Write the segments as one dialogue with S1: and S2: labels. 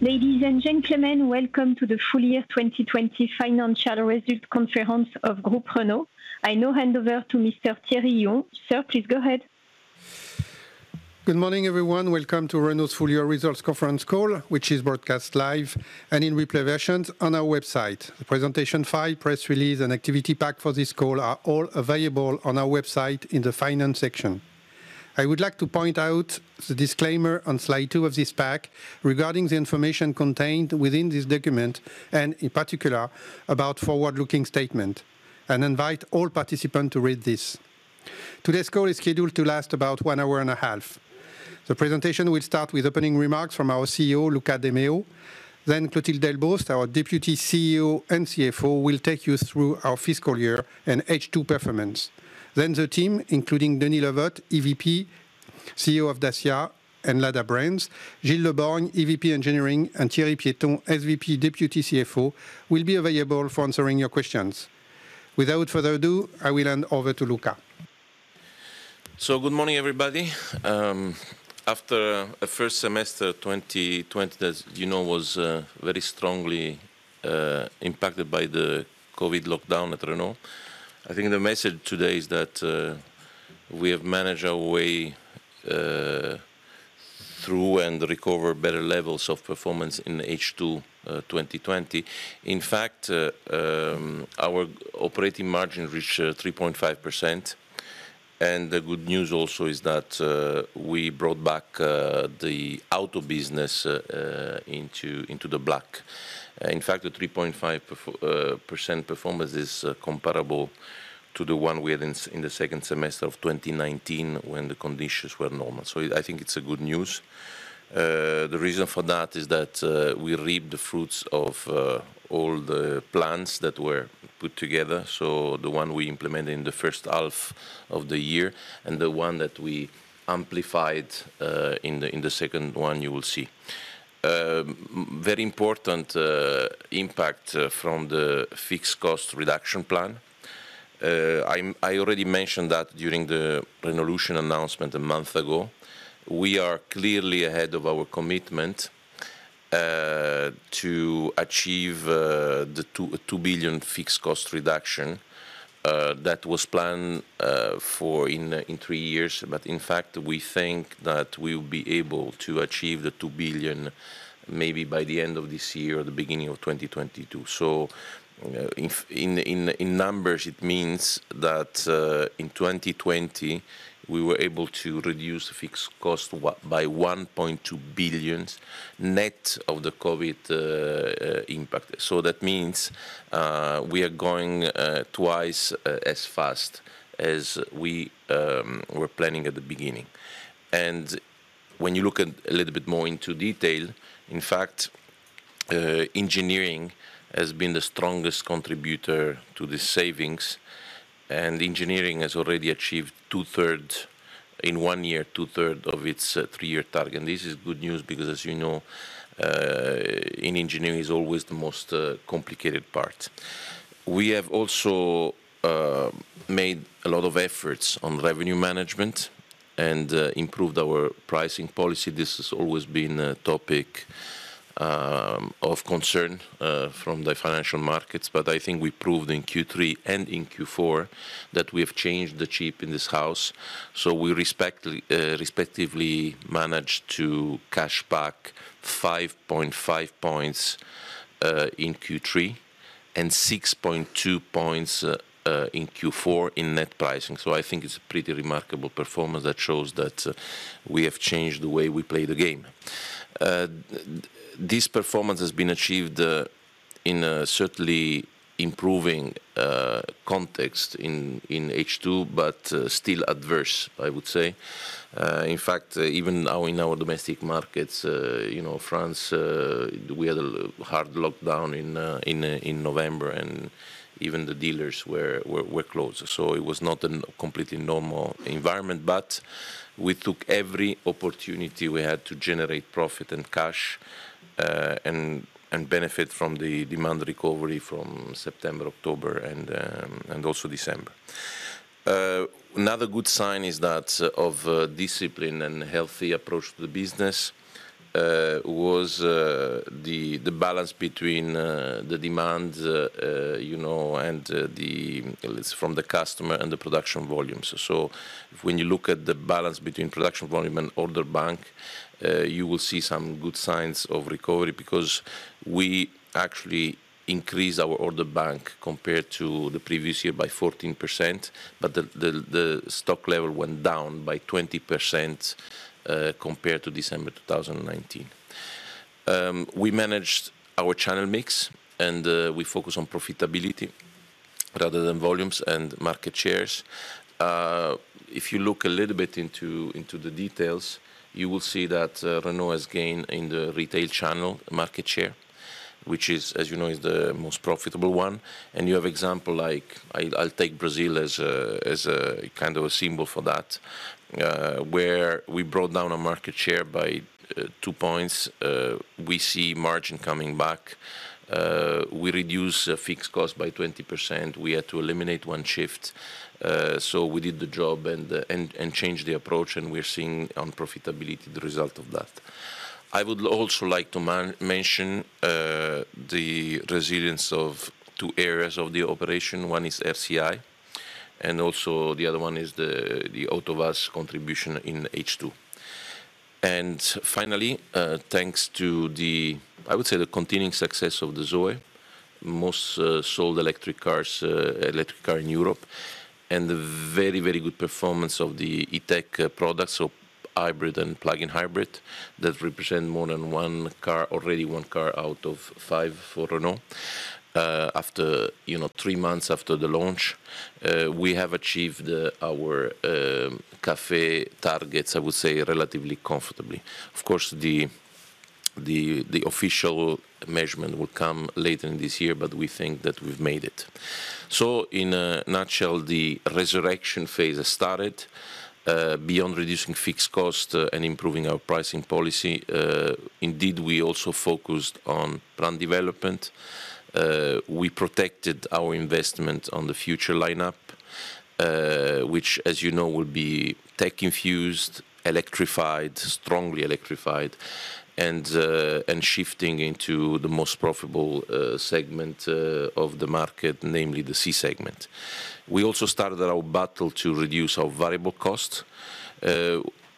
S1: Ladies and gentlemen, welcome to the Full Year 2020 Financial Results Conference of Groupe Renault. I now hand over to Mr. Thierry. Sir, please go ahead.
S2: Good morning, everyone. Welcome to Renault's full year results conference call, which is broadcast live and in replay versions on our website. The presentation file, press release, and activity pack for this call are all available on our website in the finance section. I would like to point out the disclaimer on slide two of this pack regarding the information contained within this document, and in particular, about forward-looking statement, and invite all participants to read this. Today's call is scheduled to last about 1.5 hour. The presentation will start with opening remarks from our CEO, Luca de Meo. Clotilde Delbos, our Deputy CEO and CFO, will take you through our fiscal year and H2 performance. The team, including Denis Le Vot, EVP, CEO of Dacia and Lada Brands, Gilles Le Borgne, EVP Engineering, and Thierry Piéton, SVP, Deputy CFO, will be available for answering your questions. Without further ado, I will hand over to Luca.
S3: Good morning, everybody. After a first semester 2020, as you know, was very strongly impacted by the COVID lockdown at Renault. I think the message today is that we have managed our way through and recover better levels of performance in H2 2020. In fact, our operating margin reached 3.5%, and the good news also is that we brought back the auto business into the black. In fact, the 3.5% performance is comparable to the one we had in the second semester of 2019 when the conditions were normal. I think it's a good news. The reason for that is that we reap the fruits of all the plans that were put together, the one we implemented in the first half of the year and the one that we amplified in the second one, you will see. Very important impact from the fixed cost reduction plan. I already mentioned that during the Renaulution announcement a month ago. We are clearly ahead of our commitment to achieve the 2 billion fixed cost reduction that was planned for in three years. In fact, we think that we'll be able to achieve the 2 billion maybe by the end of this year or the beginning of 2022. In numbers, it means that in 2020, we were able to reduce fixed cost by 1.2 billion net of the COVID impact. That means we are going twice as fast as we were planning at the beginning. When you look a little bit more into detail, in fact, engineering has been the strongest contributor to the savings, and engineering has already achieved 2/3, in one year, 2/3 of its three-year target. This is good news because as you know, in engineering is always the most complicated part. We have also made a lot of efforts on revenue management and improved our pricing policy. This has always been a topic of concern from the financial markets, but I think we proved in Q3 and in Q4 that we have changed the chip in this house. We respectively managed to cash back 5.5 points in Q3 and 6.2 points in Q4 in net pricing. I think it's a pretty remarkable performance that shows that we have changed the way we play the game. This performance has been achieved in a certainly improving context in H2, but still adverse, I would say. In fact, even now in our domestic markets, France, we had a hard lockdown in November, and even the dealers were closed. It was not a completely normal environment, but we took every opportunity we had to generate profit and cash, and benefit from the demand recovery from September, October, and also December. Another good sign is that of discipline and healthy approach to the business, was the balance between the demand, and the lists from the customer and the production volumes. When you look at the balance between production volume and order bank, you will see some good signs of recovery because we actually increased our order bank compared to the previous year by 14%, but the stock level went down by 20% compared to December 2019. We managed our channel mix, and we focused on profitability rather than volumes and market shares. If you look a little bit into the details, you will see that Renault has gained in the retail channel market share, which is, as you know, is the most profitable one. You have example, like, I'll take Brazil as a kind of a symbol for that, where we brought down our market share by two points. We see margin coming back. We reduce fixed cost by 20%. We had to eliminate one shift. We did the job and changed the approach, and we're seeing on profitability the result of that. I would also like to mention the resilience of two areas of the operation. One is RCI, and also the other one is the AvtoVAZ contribution in H2. Finally, thanks to the, I would say the continuing success of the Zoe, most sold electric car in Europe, and the very, very good performance of the E-Tech products, so hybrid and plug-in hybrid, that represent more than one car, already one car out of five for Renault. Three months after the launch, we have achieved our CAFE targets, I would say, relatively comfortably. Of course, the official measurement will come later in this year, but we think that we've made it. In a nutshell, the resurrection phase has started, beyond reducing fixed cost and improving our pricing policy. We also focused on brand development. We protected our investment on the future lineup, which as you know, will be tech infused, electrified, strongly electrified, and shifting into the most profitable segment of the market, namely the C segment. We also started our battle to reduce our variable cost.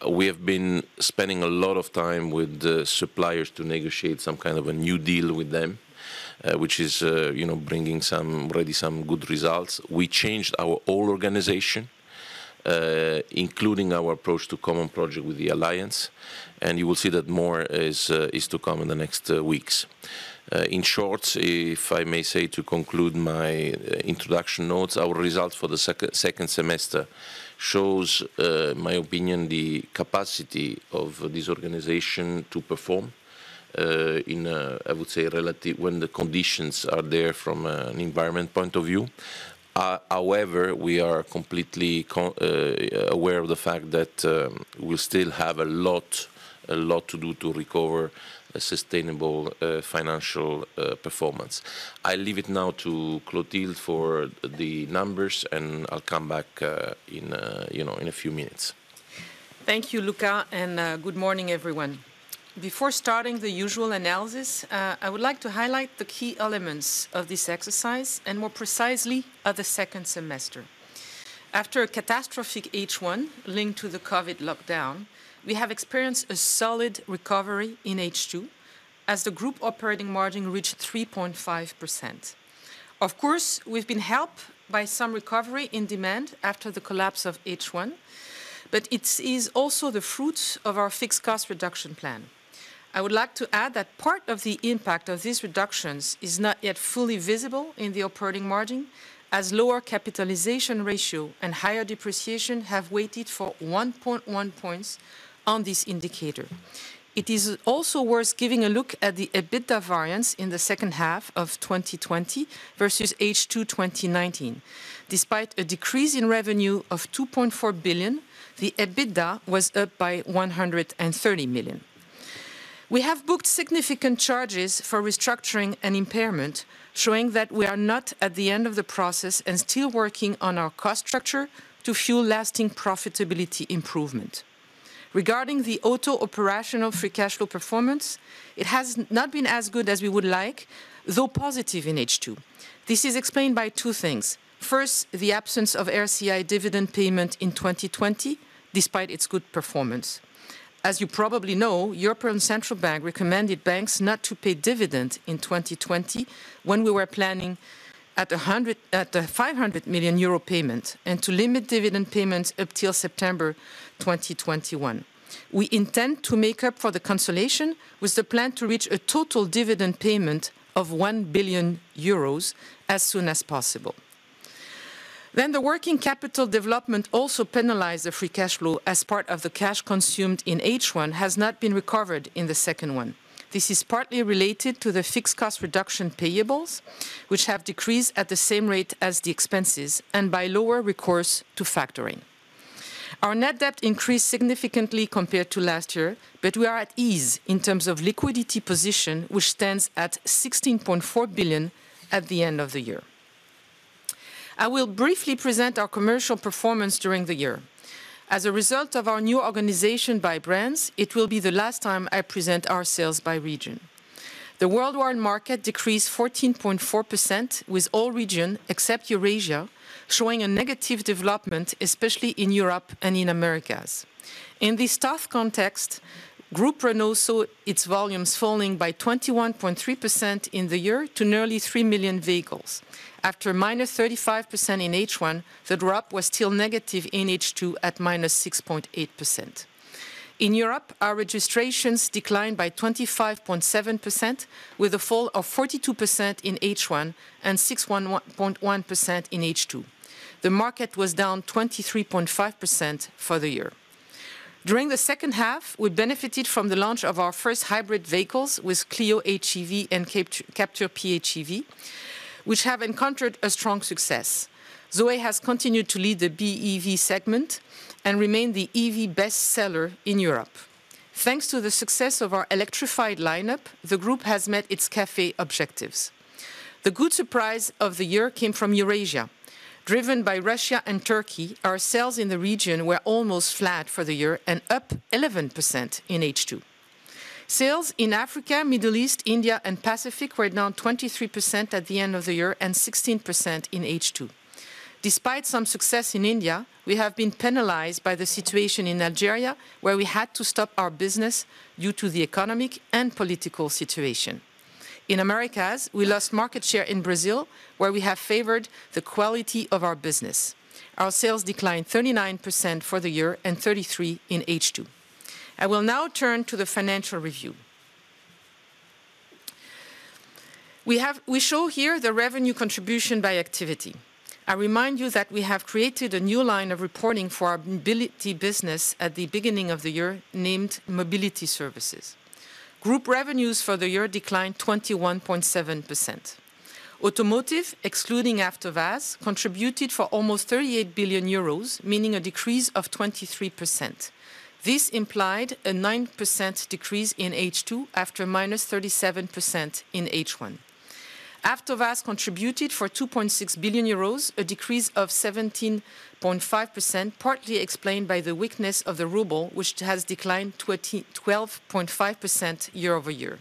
S3: We have been spending a lot of time with the suppliers to negotiate some kind of a new deal with them, which is bringing already some good results. We changed our whole organization, including our approach to common project with the Alliance, and you will see that more is to come in the next weeks. In short, if I may say to conclude my introduction notes, our results for the second semester shows, my opinion, the capacity of this organization to perform in a, I would say, relative, when the conditions are there from an environment point of view. However, we are completely aware of the fact that we still have a lot to do to recover a sustainable financial performance. I leave it now to Clotilde for the numbers, and I'll come back in a few minutes.
S4: Thank you, Luca. Good morning, everyone. Before starting the usual analysis, I would like to highlight the key elements of this exercise, and more precisely, of the second semester. After a catastrophic H1 linked to the COVID lockdown, we have experienced a solid recovery in H2 as the group operating margin reached 3.5%. Of course, we've been helped by some recovery in demand after the collapse of H1, but it is also the fruit of our fixed cost reduction plan. I would like to add that part of the impact of these reductions is not yet fully visible in the operating margin, as lower capitalization ratio and higher depreciation have weighed on 1.1 points on this indicator. It is also worth giving a look at the EBITDA variance in the second half of 2020 versus H2 2019. Despite a decrease in revenue of 2.4 billion, the EBITDA was up by 130 million. We have booked significant charges for restructuring and impairment, showing that we are not at the end of the process and still working on our cost structure to fuel lasting profitability improvement. Regarding the auto operational free cash flow performance, it has not been as good as we would like, though positive in H2. This is explained by two things. First, the absence of RCI dividend payment in 2020, despite its good performance. As you probably know, European Central Bank recommended banks not to pay dividend in 2020 when we were planning at a 500 million euro payment, and to limit dividend payments up till September 2021. We intend to make up for the cancellation with the plan to reach a total dividend payment of 1 billion euros as soon as possible. The working capital development also penalized the free cash flow as part of the cash consumed in H1 has not been recovered in the second one. This is partly related to the fixed cost reduction payables, which have decreased at the same rate as the expenses, and by lower recourse to factoring. Our net debt increased significantly compared to last year, but we are at ease in terms of liquidity position, which stands at 16.4 billion at the end of the year. I will briefly present our commercial performance during the year. As a result of our new organization by brands, it will be the last time I present our sales by region. The worldwide market decreased 14.4% with all region, except Eurasia, showing a negative development, especially in Europe and in Americas. In this tough context, Groupe Renault saw its volumes falling by 21.3% in the year to nearly 3 million vehicles. After -35% in H1, the drop was still negative in H2 at -6.8%. In Europe, our registrations declined by 25.7% with a fall of 42% in H1 and 6.1% in H2. The market was down 23.5% for the year. During the second half, we benefited from the launch of our first hybrid vehicles with Clio HEV and Captur PHEV, which have encountered a strong success. Zoe has continued to lead the BEV segment and remain the EV best seller in Europe. Thanks to the success of our electrified lineup, the group has met its CAFE objectives. The good surprise of the year came from Eurasia. Driven by Russia and Turkey, our sales in the region were almost flat for the year and up 11% in H2. Sales in Africa, Middle East, India, and Pacific were down 23% at the end of the year and 16% in H2. Despite some success in India, we have been penalized by the situation in Nigeria, where we had to stop our business due to the economic and political situation. In Americas, we lost market share in Brazil, where we have favored the quality of our business. Our sales declined 39% for the year and 33% in H2. I will now turn to the financial review. We show here the revenue contribution by activity. I remind you that we have created a new line of reporting for our mobility business at the beginning of the year, named Mobility Services. Group revenues for the year declined 21.7%. Automotive, excluding AvtoVAZ, contributed for almost 38 billion euros, meaning a decrease of 23%. This implied a 9% decrease in H2 after -37% in H1. AvtoVAZ contributed for 2.6 billion euros, a decrease of 17.5%, partly explained by the weakness of the ruble, which has declined 12.5% year-over-year.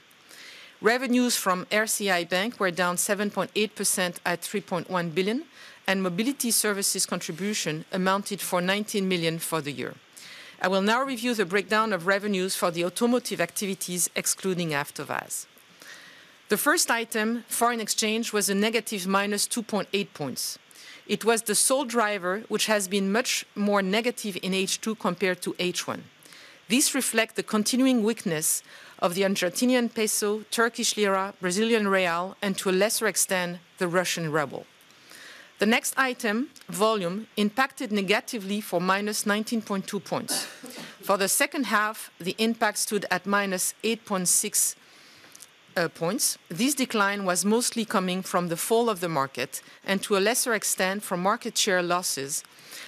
S4: Revenues from RCI Bank were down 7.8% at 3.1 billion, and Mobility Services contribution amounted for 19 million for the year. I will now review the breakdown of revenues for the automotive activities excluding AvtoVAZ. The first item, foreign exchange, was a negative -2.8 points. It was the sole driver, which has been much more negative in H2 compared to H1. This reflect the continuing weakness of the Argentinean peso, Turkish lira, Brazilian real, and to a lesser extent, the Russian ruble. The next item, volume, impacted negatively for -19.2 points. For the second half, the impact stood at -8.6 points. This decline was mostly coming from the fall of the market and to a lesser extent, from market share losses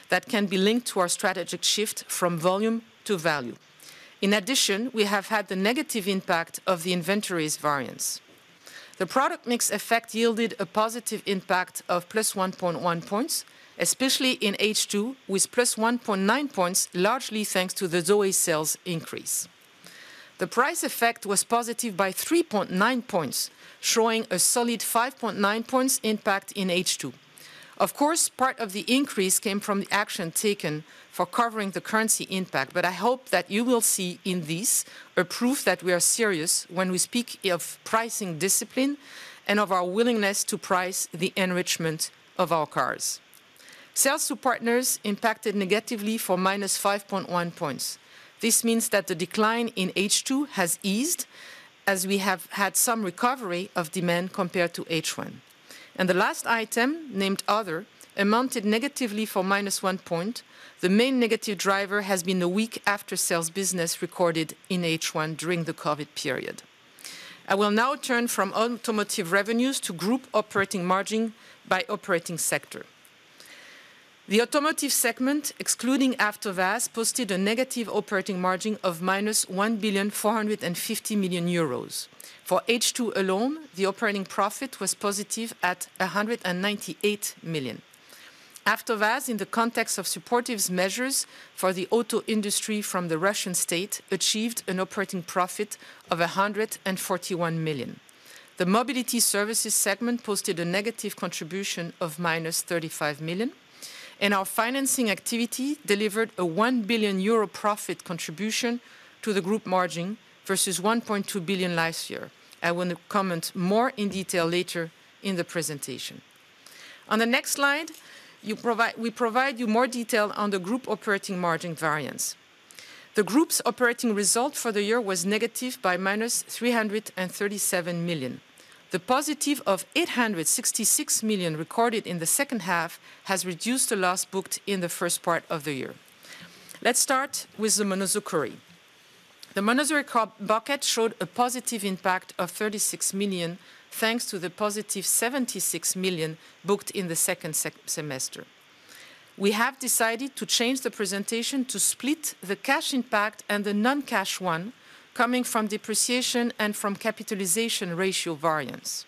S4: that can be linked to our strategic shift from volume to value. In addition, we have had the negative impact of the inventories variance. The product mix effect yielded a positive impact of +1.1 points, especially in H2, with +1.9 points, largely thanks to the Zoe sales increase. The price effect was positive by 3.9 points, showing a solid 5.9 points impact in H2. Of course, part of the increase came from the action taken for covering the currency impact, but I hope that you will see in this a proof that we are serious when we speak of pricing discipline and of our willingness to price the enrichment of our cars. Sales to partners impacted negatively for -5.1 points. This means that the decline in H2 has eased as we have had some recovery of demand compared to H1. The last item, named other, amounted negatively for -1 point. The main negative driver has been a weak after-sales business recorded in H1 during the COVID period. I will now turn from automotive revenues to group operating margin by operating sector. The automotive segment, excluding AvtoVAZ, posted a negative operating margin of -1.45 billion. For H2 alone, the operating profit was positive at 198 million. AvtoVAZ, in the context of supportive measures for the auto industry from the Russian state, achieved an operating profit of 141 million. The Mobility Services segment posted a negative contribution of -35 million, and our financing activity delivered a 1 billion euro profit contribution to the group margin versus 1.2 billion last year. I will comment more in detail later in the presentation. On the next slide, we provide you more detail on the group operating margin variance. The group's operating result for the year was negative by -337 million. The positive of 866 million recorded in the second half has reduced the loss booked in the first part of the year. Let's start with the Monozukuri. The Monozukuri bucket showed a positive impact of 36 million, thanks to the +76 million booked in the second semester. We have decided to change the presentation to split the cash impact and the non-cash one, coming from depreciation and from capitalization ratio variance.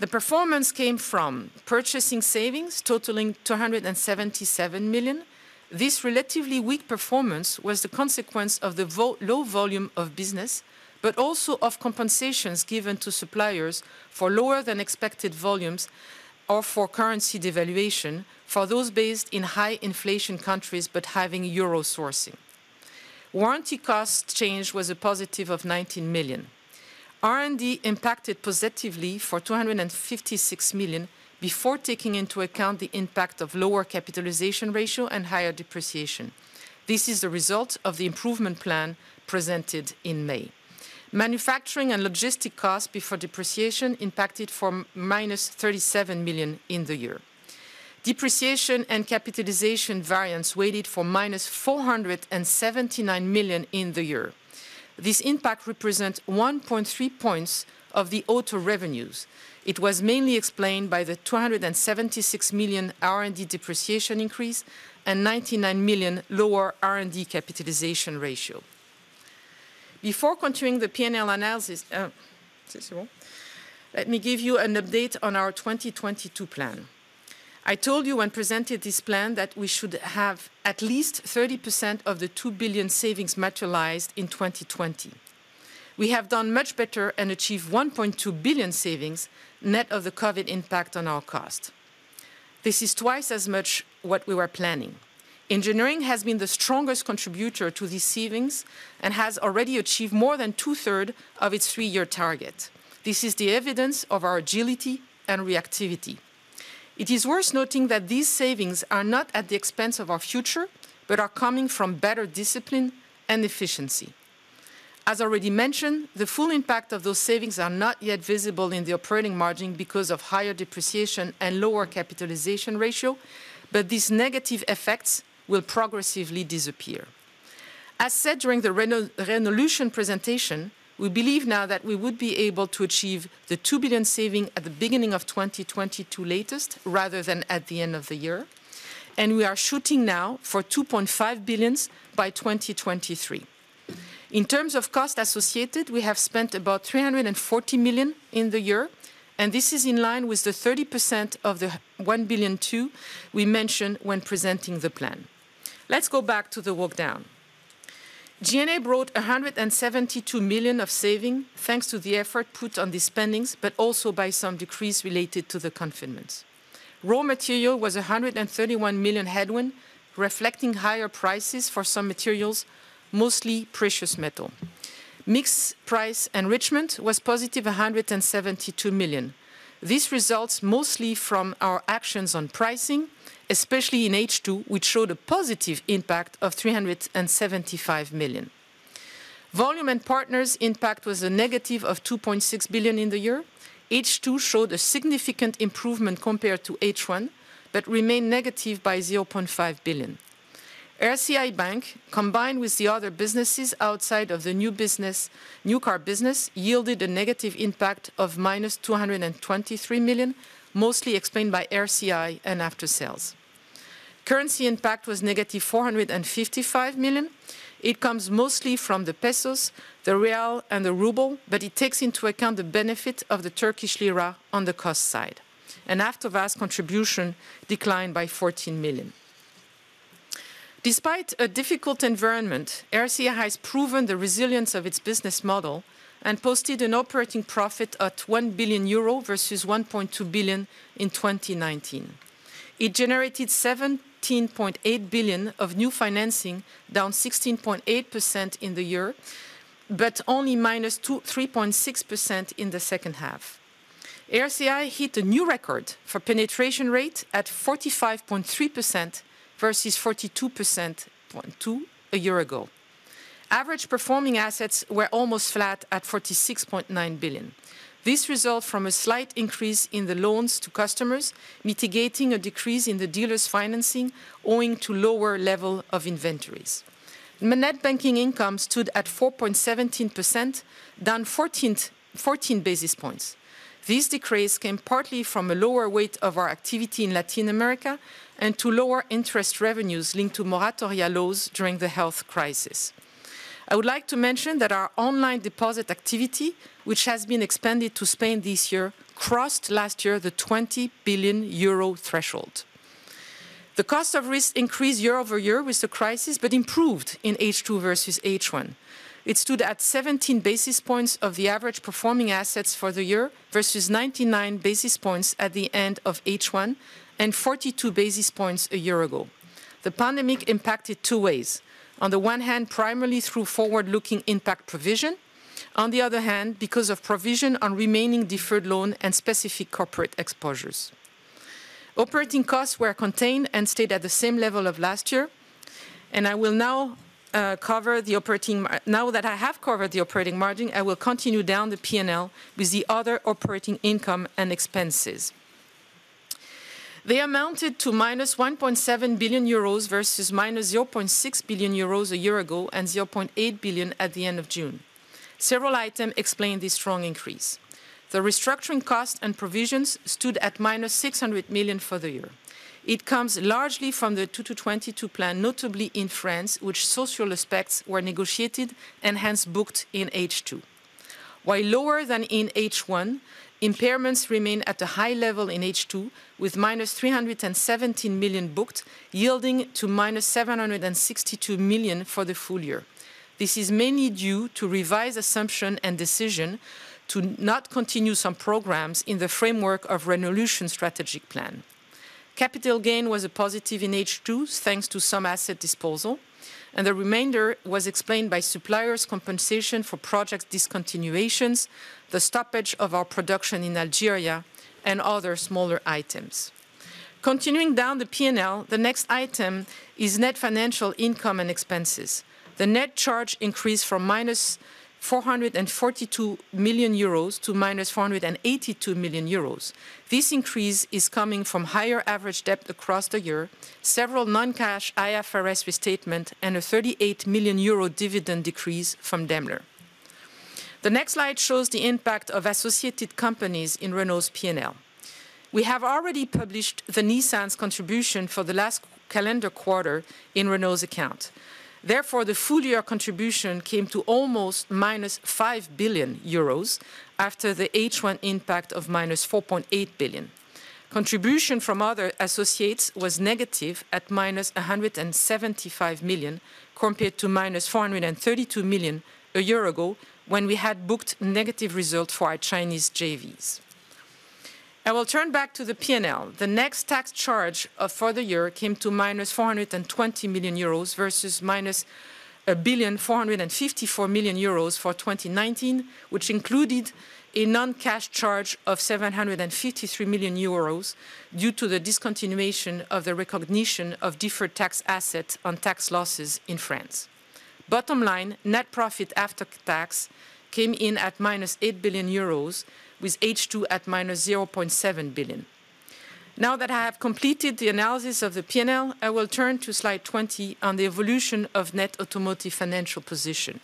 S4: The performance came from purchasing savings totaling 277 million. This relatively weak performance was the consequence of the low volume of business, but also of compensations given to suppliers for lower-than-expected volumes or for currency devaluation for those based in high inflation countries but having euro sourcing. Warranty cost change was a positive of 19 million. R&D impacted positively for 256 million before taking into account the impact of lower capitalization ratio and higher depreciation. This is the result of the improvement plan presented in May. Manufacturing and logistic costs before depreciation impacted for -37 million in the year. Depreciation and capitalization variance weighted for -479 million in the year. This impact represents 1.3 points of the auto revenues. It was mainly explained by the 276 million R&D depreciation increase and 99 million lower R&D capitalization ratio. Before continuing the P&L analysis, let me give you an update on our 2022 plan. I told you when presented this plan that we should have at least 30% of the 2 billion savings materialized in 2020. We have done much better and achieved 1.2 billion savings, net of the COVID impact on our cost. This is twice as much what we were planning. Engineering has been the strongest contributor to these savings and has already achieved more than 2/3 of its three-year target. This is the evidence of our agility and reactivity. It is worth noting that these savings are not at the expense of our future, but are coming from better discipline and efficiency. As already mentioned, the full impact of those savings are not yet visible in the operating margin because of higher depreciation and lower capitalization ratio, but these negative effects will progressively disappear. As said during the Renaulution presentation, we believe now that we would be able to achieve the 2 billion saving at the beginning of 2022, latest, rather than at the end of the year, and we are shooting now for 2.5 billion by 2023. In terms of cost associated, we have spent about 340 million in the year. This is in line with the 30% of the 1.2 billion we mentioned when presenting the plan. Let's go back to the walk-down. G&A brought 172 million of saving, thanks to the effort put on the spendings, also by some decrease related to the confinements. Raw material was 131 million headwind, reflecting higher prices for some materials, mostly precious metal. Mix price enrichment was +172 million. This results mostly from our actions on pricing, especially in H2, which showed a positive impact of 375 million. Volume and partners impact was a negative of 2.6 billion in the year. H2 showed a significant improvement compared to H1, remained negative by 0.5 billion. RCI Bank, combined with the other businesses outside of the new car business, yielded a negative impact of -223 million, mostly explained by RCI and After Sales. Currency impact was -455 million. It comes mostly from the pesos, the real, and the ruble, but it takes into account the benefit of the Turkish lira on the cost side. After Sales contribution declined by 14 million. Despite a difficult environment, RCI has proven the resilience of its business model and posted an operating profit at 1 billion euro versus 1.2 billion in 2019. It generated 17.8 billion of new financing, down 16.8% in the year, but only -3.6% in the second half. RCI hit a new record for penetration rate at 45.3% versus 42.2% a year ago. Average performing assets were almost flat at 46.9 billion. This result from a slight increase in the loans to customers, mitigating a decrease in the dealer's financing, owing to lower level of inventories. Net banking income stood at 4.17%, down 14 basis points. This decrease came partly from a lower weight of our activity in Latin America and to lower interest revenues linked to moratoria laws during the health crisis. I would like to mention that our online deposit activity, which has been expanded to Spain this year, crossed last year the 20 billion euro threshold. The cost of risk increased year-over-year with the crisis, but improved in H2 versus H1. It stood at 17 basis points of the average performing assets for the year, versus 99 basis points at the end of H1, and 42 basis points a year ago. The pandemic impacted two ways. On the one hand, primarily through forward-looking impact provision, on the other hand, because of provision on remaining deferred loan and specific corporate exposures. Operating costs were contained and stayed at the same level of last year. Now that I have covered the operating margin, I will continue down the P&L with the other operating income and expenses. They amounted to -1.7 billion euros, versus -0.6 billion euros a year ago, and 0.8 billion at the end of June. Several items explained this strong increase. The restructuring cost and provisions stood at -600 million for the year. It comes largely from the 2022 plan, notably in France, which social aspects were negotiated and hence booked in H2. While lower than in H1, impairments remain at a high level in H2, with -317 million booked, yielding to -762 million for the full year. This is mainly due to revised assumption and decision to not continue some programs in the framework of Renaulution strategic plan. Capital gain was a positive in H2, thanks to some asset disposal, and the remainder was explained by suppliers' compensation for project discontinuations, the stoppage of our production in Algeria, and other smaller items. Continuing down the P&L, the next item is net financial income and expenses. The net charge increased from -442 million--482 million euros. This increase is coming from higher average debt across the year, several non-cash IFRS restatement, and a 38 million euro dividend decrease from Daimler. The next slide shows the impact of associated companies in Renault's P&L. We have already published Nissan's contribution for the last calendar quarter in Renault's account. Therefore, the full-year contribution came to almost -5 billion euros after the H1 impact of -4.8 billion. Contribution from other associates was negative at -175 million, compared to -432 million a year ago, when we had booked negative results for our Chinese JVs. I will turn back to the P&L. The next tax charge for the year came to -420 million euros, versus -1,454 million euros for 2019, which included a non-cash charge of 753 million euros due to the discontinuation of the recognition of deferred tax assets on tax losses in France. Bottom line, net profit after tax came in at -8 billion euros, with H2 at -0.7 billion. Now that I have completed the analysis of the P&L, I will turn to slide 20 on the evolution of net automotive financial position.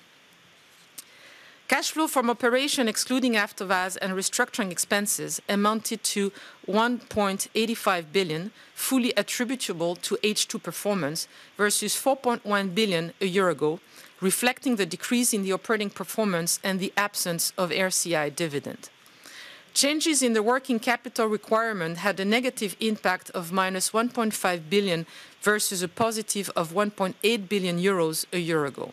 S4: Cash flow from operation, excluding AvtoVAZ and restructuring expenses, amounted to 1.85 billion, fully attributable to H2 performance, versus 4.1 billion a year ago, reflecting the decrease in the operating performance and the absence of RCI dividend. Changes in the working capital requirement had a negative impact of -1.5 billion versus a positive of 1.8 billion euros a year ago.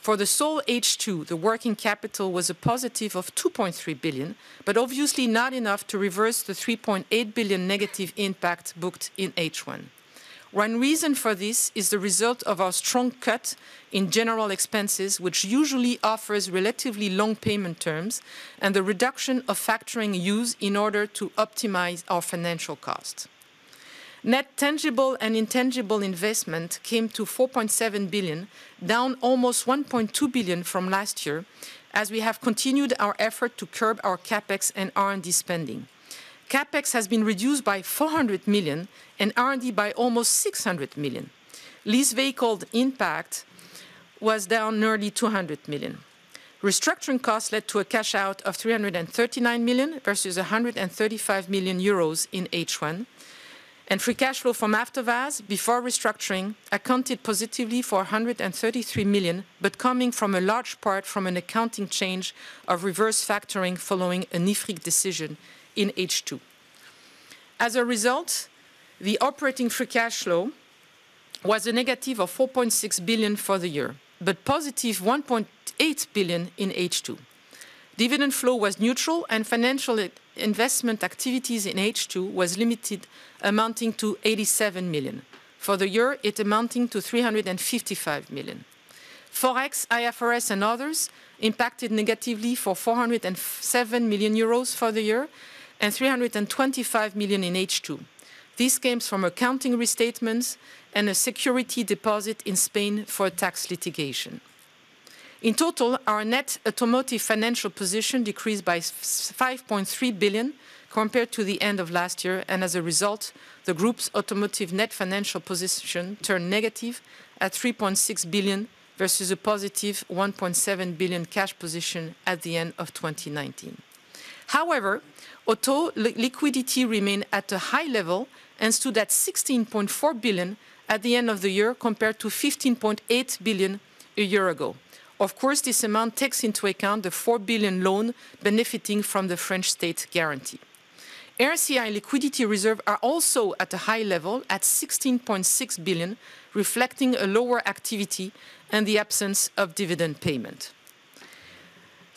S4: For the sole H2, the working capital was a positive of 2.3 billion, obviously not enough to reverse the 3.8 billion negative impact booked in H1. One reason for this is the result of our strong cut in general expenses, which usually offers relatively long payment terms, and the reduction of factoring use in order to optimize our financial cost. Net tangible and intangible investment came to 4.7 billion, down almost 1.2 billion from last year, as we have continued our effort to curb our CapEx and R&D spending. CapEx has been reduced by 400 million and R&D by almost 600 million. Leased vehicles impact was down nearly 200 million. Restructuring costs led to a cash-out of 339 million, versus 135 million euros in H1. Free cash flow from AvtoVAZ before restructuring accounted positively for 133 million, but coming from a large part from an accounting change of reverse factoring following an IFRIC decision in H2. As a result, the operating free cash flow was a negative of 4.6 billion for the year, but +1.8 billion in H2. Dividend flow was neutral and financial investment activities in H2 was limited, amounting to 87 million. For the year, it amounting to 355 million. Forex, IFRS, and others impacted negatively for 407 million euros for the year and 325 million in H2. This comes from accounting restatements and a security deposit in Spain for a tax litigation. In total, our net automotive financial position decreased by 5.3 billion compared to the end of last year, and as a result, the group's automotive net financial position turned negative at 3.6 billion versus a +1.7 billion cash position at the end of 2019. However, auto liquidity remained at a high level and stood at 16.4 billion at the end of the year, compared to 15.8 billion a year ago. Of course, this amount takes into account the 4 billion loan benefiting from the French state guarantee. RCI liquidity reserve are also at a high level at 16.6 billion, reflecting a lower activity and the absence of dividend payment.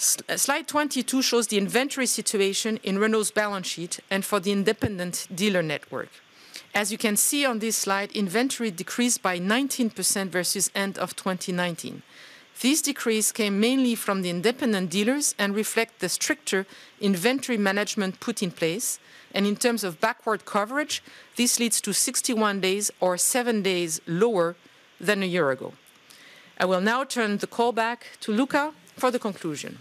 S4: Slide 22 shows the inventory situation in Renault's balance sheet and for the independent dealer network. As you can see on this slide, inventory decreased by 19% versus end of 2019. This decrease came mainly from the independent dealers and reflect the stricter inventory management put in place. In terms of backward coverage, this leads to 61 days or seven days lower than a year ago. I will now turn the call back to Luca for the conclusion.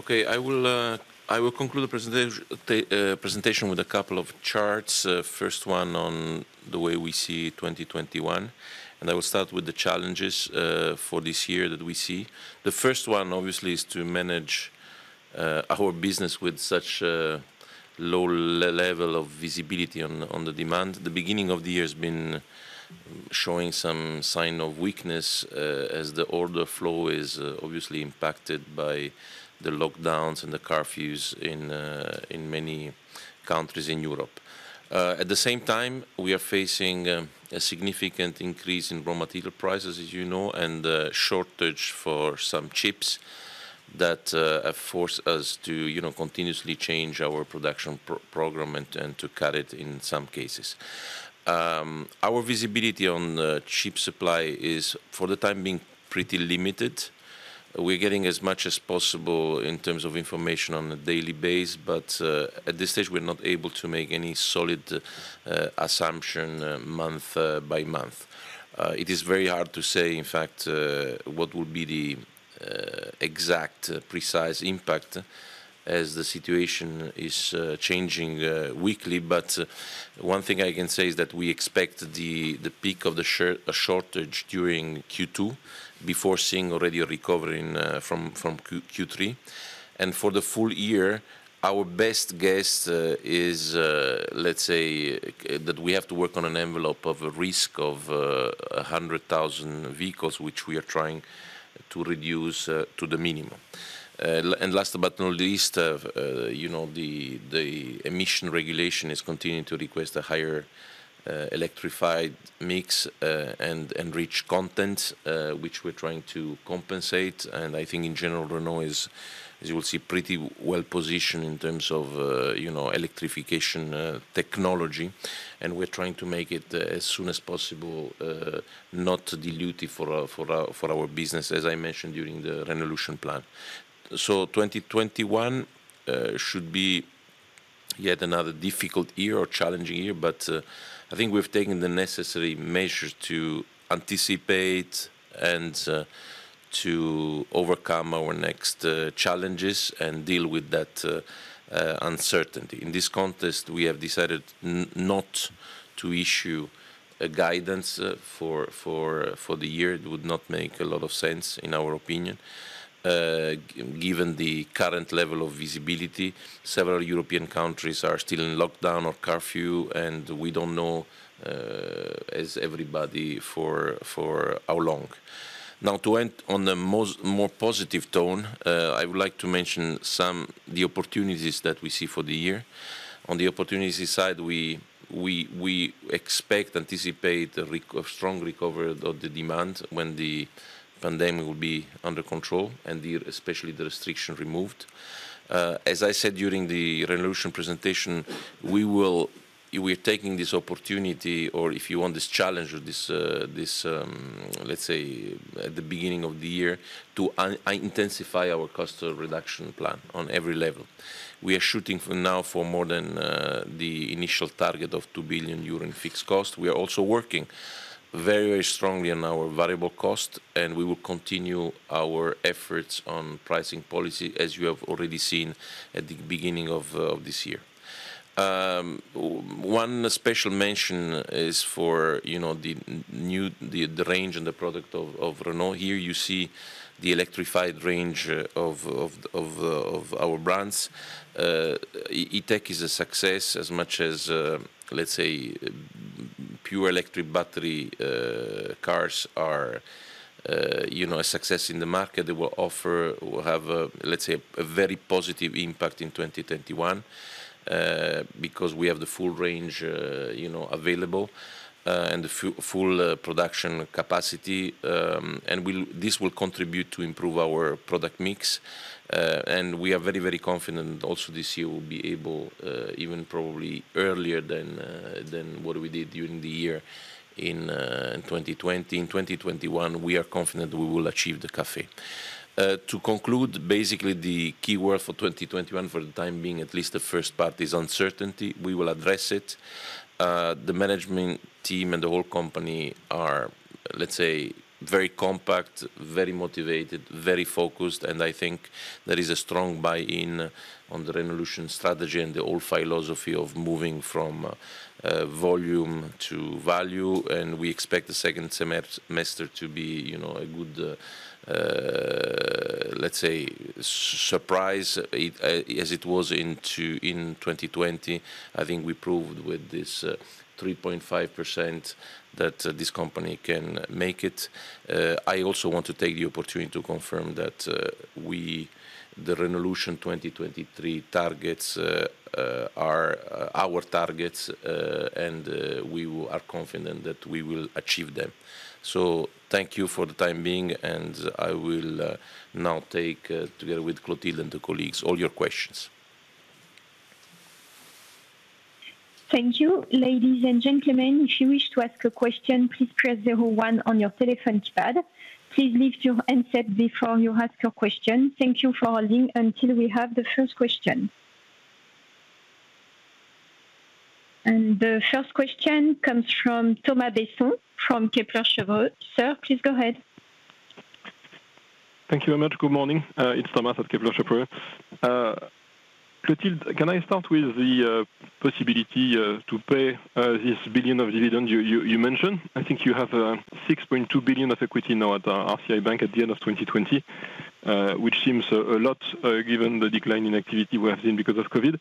S3: Okay. I will conclude the presentation with a couple of charts. First one on the way we see 2021, and I will start with the challenges for this year that we see. The first one, obviously, is to manage our business with such a low level of visibility on the demand. The beginning of the year has been showing some sign of weakness, as the order flow is obviously impacted by the lockdowns and the curfews in many countries in Europe. At the same time, we are facing a significant increase in raw material prices, as you know, and a shortage for some chips that force us to continuously change our production program and to cut it in some cases. Our visibility on chip supply is, for the time being, pretty limited. We're getting as much as possible in terms of information on a daily basis, but at this stage, we're not able to make any solid assumption month-by-month. It is very hard to say, in fact, what will be the exact precise impact as the situation is changing weekly. One thing I can say is that we expect the peak of the shortage during Q2 before seeing already a recovery from Q3. For the full year, our best guess is, let's say, that we have to work on an envelope of a risk of 100,000 vehicles, which we are trying to reduce to the minimum. Last but not least, the emission regulation is continuing to request a higher electrified mix and enriched content, which we're trying to compensate. I think in general, Renault is, as you will see, pretty well-positioned in terms of electrification technology, and we're trying to make it as soon as possible, not dilutive for our business, as I mentioned during the Renaulution plan. 2021 should be yet another difficult year or challenging year, but I think we've taken the necessary measures to anticipate and to overcome our next challenges and deal with that uncertainty. In this context, we have decided not to issue a guidance for the year. It would not make a lot of sense, in our opinion, given the current level of visibility. Several European countries are still in lockdown or curfew, and we don't know, as everybody, for how long. To end on a more positive tone, I would like to mention some of the opportunities that we see for the year. On the opportunities side, we anticipate a strong recovery of the demand when the pandemic will be under control and especially the restriction removed. As I said during the Renaulution presentation, we're taking this opportunity, or if you want, this challenge or this, let's say, at the beginning of the year, to intensify our cost reduction plan on every level. We are shooting now for more than the initial target of 2 billion euro fixed cost. We are also working very strongly on our variable cost. We will continue our efforts on pricing policy, as you have already seen at the beginning of this year. One special mention is for the range and the product of Renault. Here, you see the electrified range of our brands. E-Tech is a success as much as, let's say, pure electric battery cars are a success in the market. They will have a very positive impact in 2021, because we have the full range available, and the full production capacity. This will contribute to improve our product mix. We are very confident also this year, we'll be able, even probably earlier than what we did during the year in 2020, in 2021, we are confident we will achieve the CAFE. To conclude, basically the key word for 2021 for the time being, at least the first part, is uncertainty. We will address it. The management team and the whole company are, let's say, very compact, very motivated, very focused, and I think there is a strong buy-in on the Renaulution strategy and the whole philosophy of moving from volume to value. We expect the second semester to be a good, let's say, surprise, as it was in 2020. I think we proved with this 3.5% that this company can make it. I also want to take the opportunity to confirm that the Renaulution 2023 targets are our targets, and we are confident that we will achieve them. Thank you for the time being, and I will now take, together with Clotilde and the colleagues, all your questions.
S1: Thank you, ladies and gentlemen. The first question comes from Thomas Besson from Kepler Cheuvreux. Sir, please go ahead.
S5: Thank you very much. Good morning. It's Thomas at Kepler Cheuvreux. Clotilde, can I start with the possibility to pay this 1 billion of dividends you mentioned? I think you have 6.2 billion of equity now at RCI Bank at the end of 2020, which seems a lot, given the decline in activity we have seen because of COVID.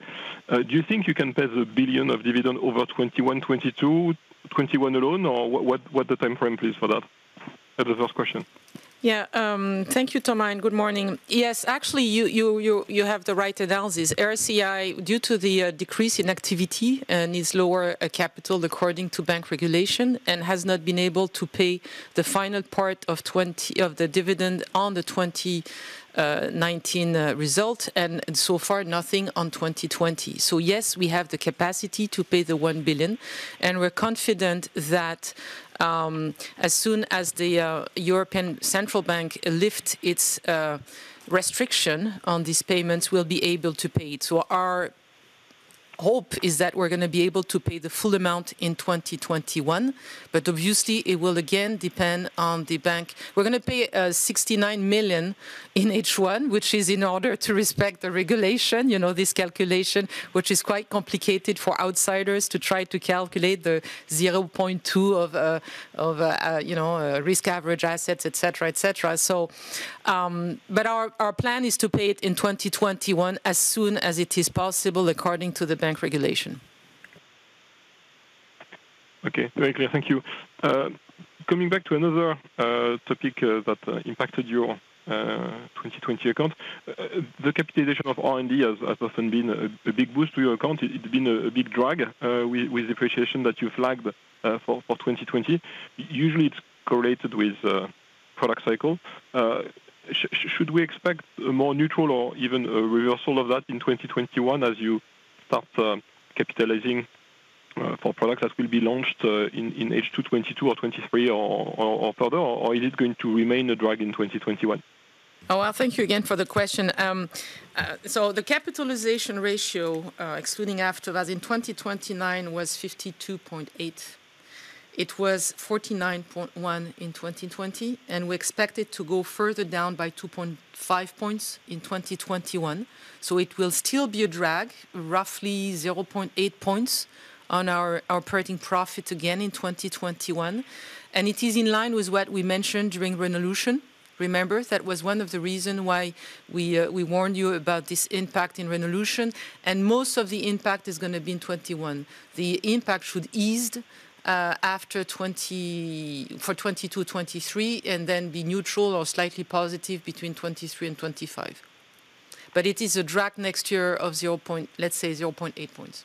S5: Do you think you can pay the a billion of dividend over 2021, 2022, 2021 alone, or what the timeframe please for that? That's the first question.
S4: Yeah. Thank you, Thomas, and good morning. Yes, actually, you have the right analysis. RCI, due to the decrease in activity, needs lower capital according to bank regulation, and has not been able to pay the final part of the dividend on the 2019 result, and so far nothing on 2020. Yes, we have the capacity to pay the 1 billion, and we're confident that as soon as the European Central Bank lift its restriction on these payments, we'll be able to pay it. Our hope is that we're going to be able to pay the full amount in 2021. Obviously, it will again depend on the bank. We're going to pay 69 million in H1, which is in order to respect the regulation, this calculation, which is quite complicated for outsiders to try to calculate the 0.2 of risk average assets, et cetera. Our plan is to pay it in 2021 as soon as it is possible according to the bank regulation.
S5: Okay, very clear. Thank you. Coming back to another topic that impacted your 2020 accounts. The capitalization of R&D has often been a big boost to your account. It's been a big drag with appreciation that you flagged for 2020. Usually, it's correlated with product cycle. Should we expect a more neutral or even a reversal of that in 2021 as you start capitalizing for products that will be launched in H2 2022 or 2023 or further, or is it going to remain a drag in 2021?
S4: Thank you again for the question. The capitalization ratio, excluding AvtoVAZ in 2029, was 52.8. It was 49.1 in 2020. We expect it to go further down by 2.5 points in 2021. It will still be a drag, roughly 0.8 points on our operating profit again in 2021. It is in line with what we mentioned during Renaulution. Remember, that was one of the reason why we warned you about this impact in Renaulution. Most of the impact is going to be in 2021. The impact should ease for 2022, 2023, and then be neutral or slightly positive between 2023 and 2025. It is a drag next year of, let's say, 0.8 points.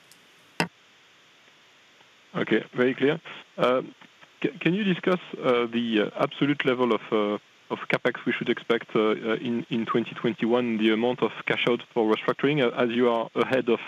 S5: Okay. Very clear. Can you discuss the absolute level of CapEx we should expect in 2021, the amount of cash out for restructuring, as you are ahead of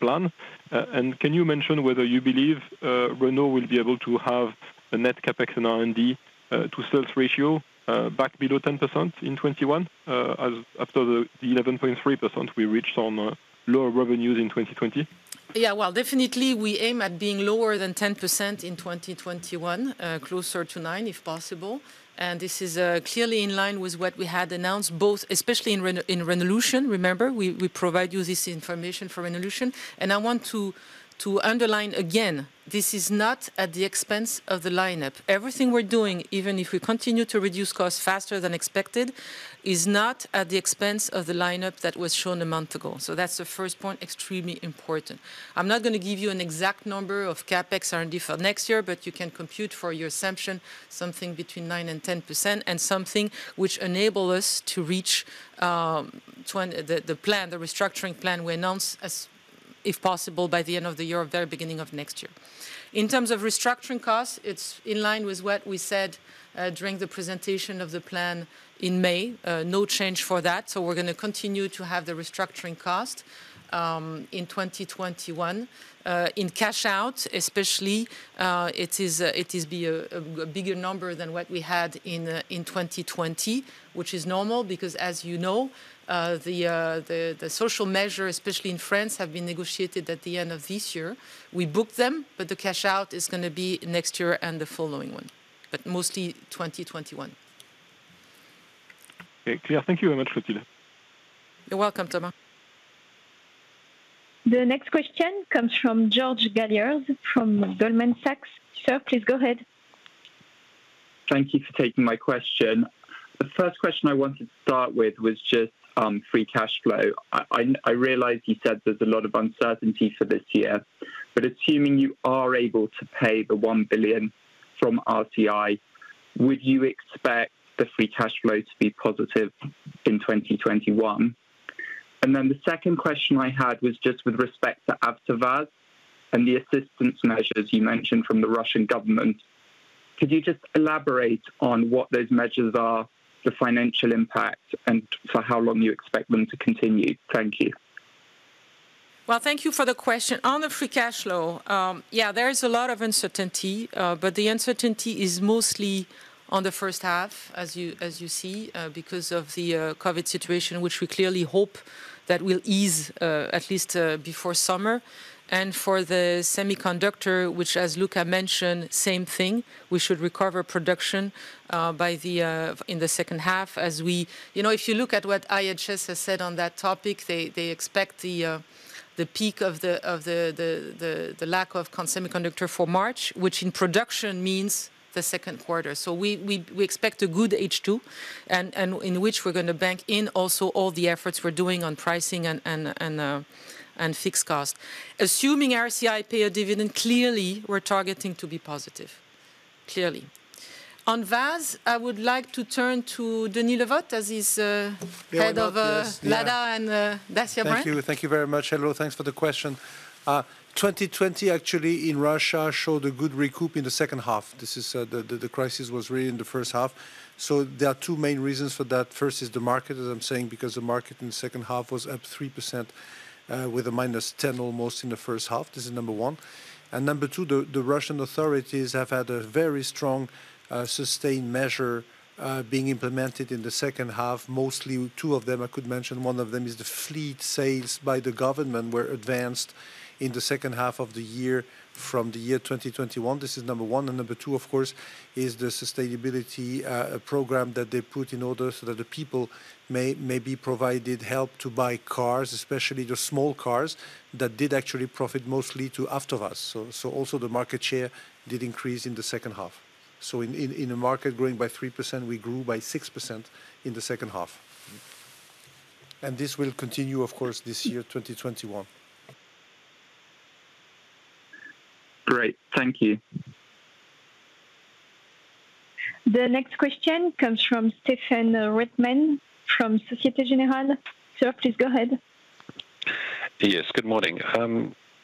S5: plan? Can you mention whether you believe Renault will be able to have a net CapEx and R&D to sales ratio back below 10% in 2021, after the 11.3% we reached on lower revenues in 2020?
S4: Yeah. Well, definitely, we aim at being lower than 10% in 2021, closer to 9% if possible. This is clearly in line with what we had announced, especially in Renaulution. Remember, we provide you this information for Renaulution. I want to underline again, this is not at the expense of the lineup. Everything we're doing, even if we continue to reduce costs faster than expected, is not at the expense of the lineup that was shown a month ago. That's the first point, extremely important. I'm not going to give you an exact number of CapEx R&D for next year, but you can compute for your assumption, something between 9% and 10%, and something which enable us to reach the restructuring plan we announced as if possible by the end of the year or very beginning of next year. In terms of restructuring costs, it's in line with what we said during the presentation of the plan in May. No change for that. We're going to continue to have the restructuring cost in 2021. In cash out especially, it is be a bigger number than what we had in 2020, which is normal because as you know the social measure, especially in France, have been negotiated at the end of this year. We book them, the cash out is going to be next year and the following one, mostly 2021.
S5: Okay. Clear. Thank you very much, Clotilde.
S4: You're welcome, Thomas.
S1: The next question comes from George Galliers from Goldman Sachs. Sir, please go ahead.
S6: Thank you for taking my question. The first question I wanted to start with was just free cash flow. I realize you said there's a lot of uncertainty for this year, assuming you are able to pay the 1 billion from RCI, would you expect the free cash flow to be positive in 2021? The second question I had was just with respect to AvtoVAZ and the assistance measures you mentioned from the Russian government. Could you just elaborate on what those measures are, the financial impact, and for how long you expect them to continue? Thank you.
S4: Well, thank you for the question. On the free cash flow, yeah, there is a lot of uncertainty. The uncertainty is mostly on the first half, as you see, because of the COVID situation, which we clearly hope that will ease, at least, before summer. For the semiconductor, which as Luca mentioned, same thing, we should recover production in the second half. If you look at what IHS has said on that topic, they expect the peak of the lack of semiconductor for March, which in production means the second quarter. We expect a good H2, and in which we're going to bank in also all the efforts we're doing on pricing and fixed cost. Assuming RCI pay a dividend, clearly, we're targeting to be positive. Clearly. On VAZ, I would like to turn to Denis Le Vot, as he's head of-
S7: Yeah, I'm up, yes.
S4: Lada and Dacia brand. Thank you. Thank you very much, hello. Thanks for the question. 2020, actually, in Russia, showed a good recoup in the second half. The crisis was really in the first half. There are two main reasons for that. First is the market, as I'm saying, because the market in the second half was up 3% with a -10% almost in the first half. This is number one. Number two, the Russian authorities have had a very strong, sustained measure being implemented in the second half, mostly two of them I could mention. One of them is the fleet sales by the government were advanced in the second half of the year from the year 2021. This is number one.
S7: Number two, of course, is the sustainability program that they put in order so that the people may be provided help to buy cars, especially the small cars that did actually profit mostly to AvtoVAZ. Also the market share did increase in the second half. In a market growing by 3%, we grew by 6% in the second half. This will continue, of course, this year, 2021.
S6: Great. Thank you.
S1: The next question comes from Stephen Reitman from Société Générale. Sir, please go ahead.
S8: Yes, good morning.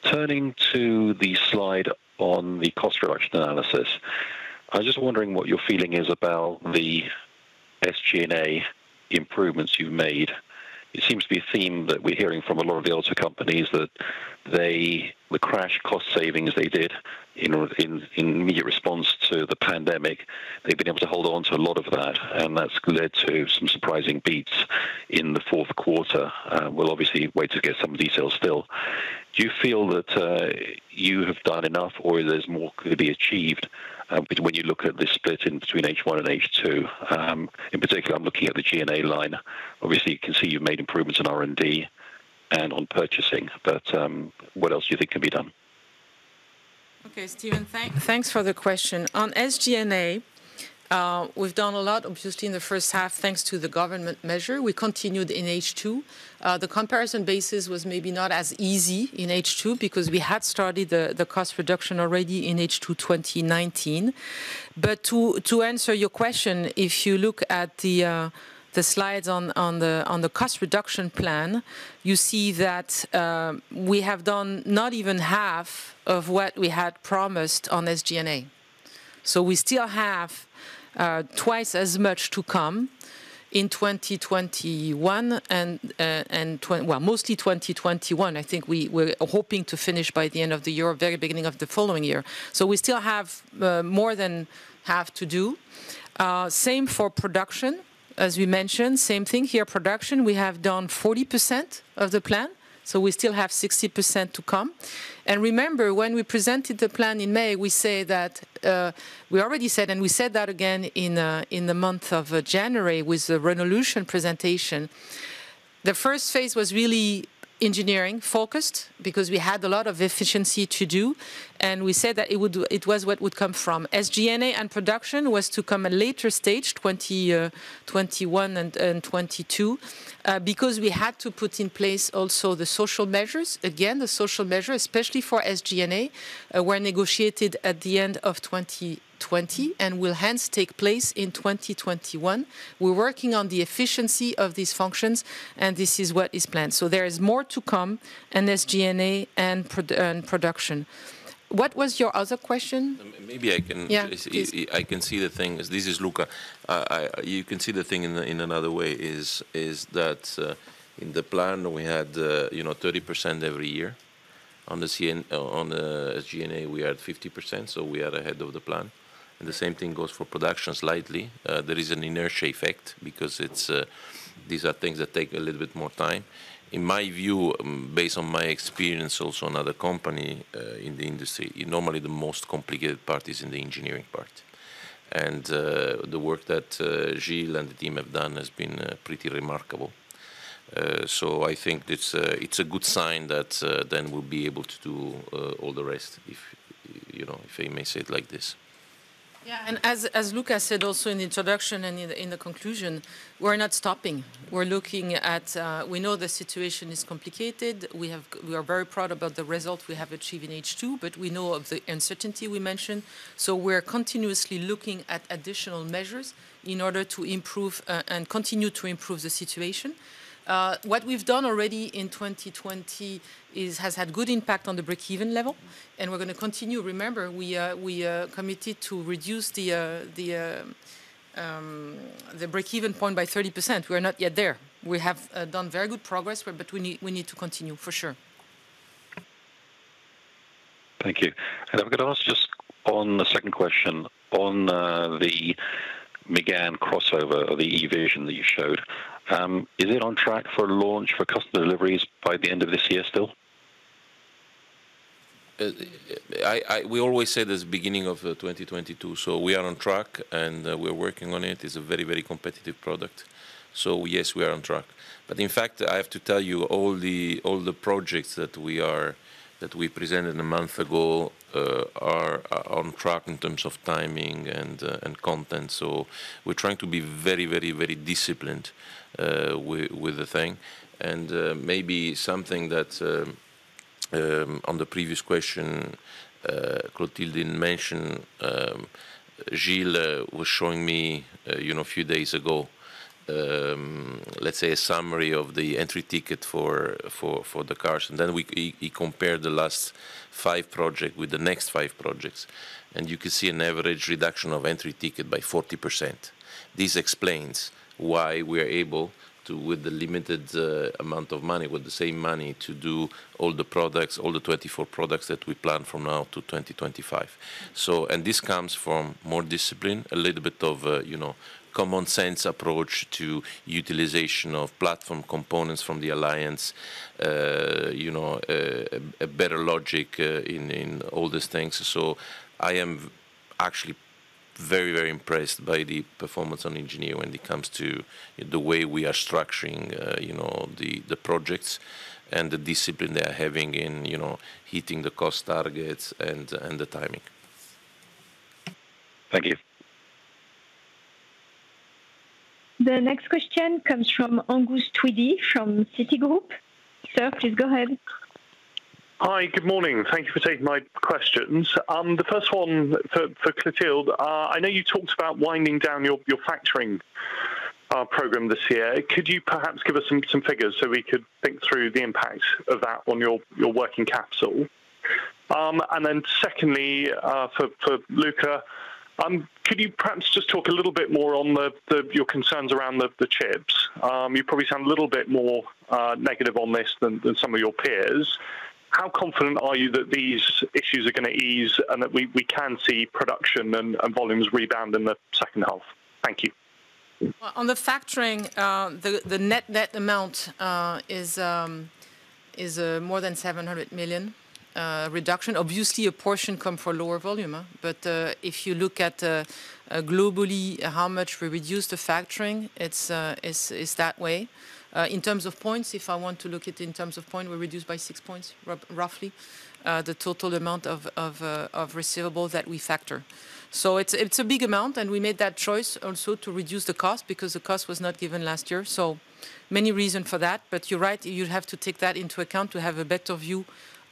S8: Turning to the slide on the cost reduction analysis, I was just wondering what your feeling is about the SG&A improvements you've made. It seems to be a theme that we're hearing from a lot of the auto companies, that the crash cost savings they did in immediate response to the pandemic, they've been able to hold on to a lot of that, and that's led to some surprising beats in the fourth quarter. We'll obviously wait to get some details still. Do you feel that you have done enough or there's more could be achieved, when you look at the split in between H1 and H2? In particular, I'm looking at the G&A line. Obviously, you can see you've made improvements in R&D and on purchasing. What else do you think can be done?
S4: Okay, Stephen, thanks for the question. On SG&A, we've done a lot, obviously, in the first half, thanks to the government measure. We continued in H2. The comparison basis was maybe not as easy in H2 because we had started the cost reduction already in H2 2019. To answer your question, if you look at the slides on the cost reduction plan, you see that we have done not even half of what we had promised on SG&A. We still have twice as much to come in 2021. Well, mostly 2021. I think we're hoping to finish by the end of the year, very beginning of the following year. We still have more than half to do. Same for production, as we mentioned. Same thing here. Production, we have done 40% of the plan, we still have 60% to come. Remember, when we presented the plan in May, we already said, and we said that again in the month of January with the Renaulution presentation, the first phase was really engineering-focused because we had a lot of efficiency to do, and we said that it was what would come from SG&A, and production was to come at later stage, 2021 and 2022, because we had to put in place also the social measures. The social measure, especially for SG&A, were negotiated at the end of 2020 and will hence take place in 2021. We're working on the efficiency of these functions, and this is what is planned. There is more to come in SG&A and production. What was your other question?
S3: Maybe I can-
S4: Yeah, please. I can see the thing. This is Luca. You can see the thing in another way, is that in the plan, we had 30% every year. On the SG&A, we are at 50%, so we are ahead of the plan. The same thing goes for production slightly. There is an inertia effect because these are things that take a little bit more time. In my view, based on my experience also in other company in the industry, normally, the most complicated part is in the engineering part. The work that Gilles and the team have done has been pretty remarkable. I think it's a good sign that then we'll be able to do all the rest, if I may say it like this. As Luca said also in introduction and in the conclusion, we're not stopping. We know the situation is complicated. We are very proud about the result we have achieved in H2, but we know of the uncertainty we mentioned, so we're continuously looking at additional measures in order to improve and continue to improve the situation. What we've done already in 2020 has had good impact on the breakeven level, and we're going to continue. Remember, we committed to reduce the breakeven point by 30%. We are not yet there. We have done very good progress, but we need to continue, for sure.
S8: Thank you. I'm going to ask just on the second question, on the Mégane crossover or the eVision that you showed, is it on track for launch for customer deliveries by the end of this year still?
S3: We always say that's the beginning of 2022. We are on track, and we are working on it. It's a very competitive product. Yes, we are on track. In fact, I have to tell you, all the projects that we presented a month ago are on track in terms of timing and content. We're trying to be very disciplined with the thing. Maybe something that, on the previous question, Clotilde didn't mention, Gilles was showing me a few days ago, let's say, a summary of the entry ticket for the cars, and then he compared the last five project with the next five projects, and you can see an average reduction of entry ticket by 40%. This explains why we are able to, with the limited amount of money, with the same money, to do all the products, all the 24 products that we plan from now to 2025. This comes from more discipline, a little bit of common sense approach to utilization of platform components from the alliance, a better logic in all these things. I am actually very impressed by the performance on engineering when it comes to the way we are structuring the projects and the discipline they are having in hitting the cost targets and the timing.
S8: Thank you.
S1: The next question comes from Angus Tweedie, from Citigroup. Sir, please go ahead.
S9: Hi. Good morning. Thank you for taking my questions. The first one for Clotilde. I know you talked about winding down your factoring program this year. Could you perhaps give us some figures so we could think through the impact of that on your working capital? Secondly, for Luca, could you perhaps just talk a little bit more on your concerns around the chips? You probably sound a little bit more negative on this than some of your peers. How confident are you that these issues are going to ease, and that we can see production and volumes rebound in the second half? Thank you.
S4: Well, on the factoring, the net amount is more than 700 million reduction. Obviously, a portion come from lower volume. If you look at globally how much we reduced the factoring, it's that way. In terms of points, if I want to look it in terms of point, we reduced by 6 points, roughly, the total amount of receivable that we factor. It's a big amount, and we made that choice also to reduce the cost because the cost was not given last year. Many reason for that, but you're right, you have to take that into account to have a better view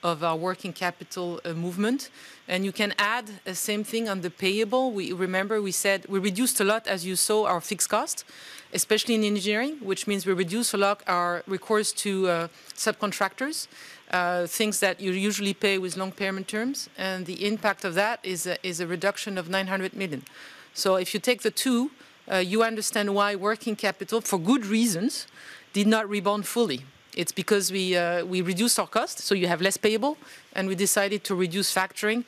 S4: of our working capital movement. You can add the same thing on the payable. Remember we said we reduced a lot, as you saw, our fixed cost, especially in engineering, which means we reduce a lot our recourse to subcontractors, things that you usually pay with long payment terms. The impact of that is a reduction of 900 million. If you take the two, you understand why working capital, for good reasons, did not rebound fully. It's because we reduced our cost, so you have less payable, and we decided to reduce factoring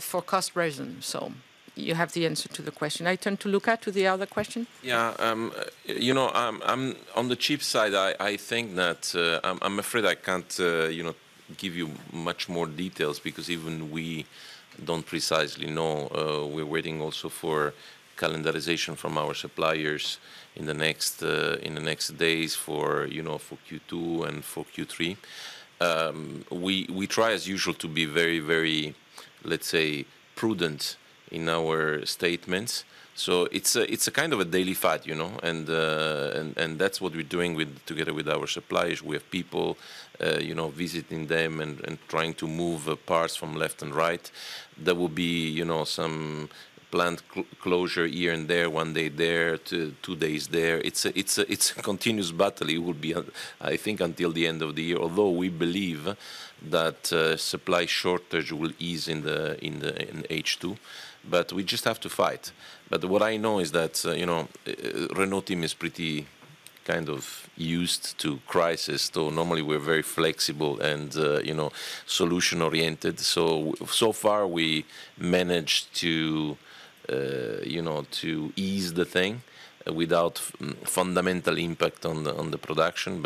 S4: for cost reason. You have the answer to the question. I turn to Luca to the other question.
S3: Yeah. On the chip side, I think that I'm afraid I can't give you much more details because even we don't precisely know. We're waiting also for calendarization from our suppliers in the next days for Q2 and for Q3. We try as usual to be very, let's say, prudent in our statements. It's a kind of a daily fight. That's what we're doing together with our suppliers. We have people visiting them and trying to move parts from left and right. There will be some plant closure here and there, one day there, two days there. It's a continuous battle. It would be, I think, until the end of the year, although we believe that supply shortage will ease in H2. We just have to fight. What I know is that Renault team is pretty used to crisis, though normally we're very flexible and solution-oriented.
S4: So far, we managed to ease the thing without fundamental impact on the production.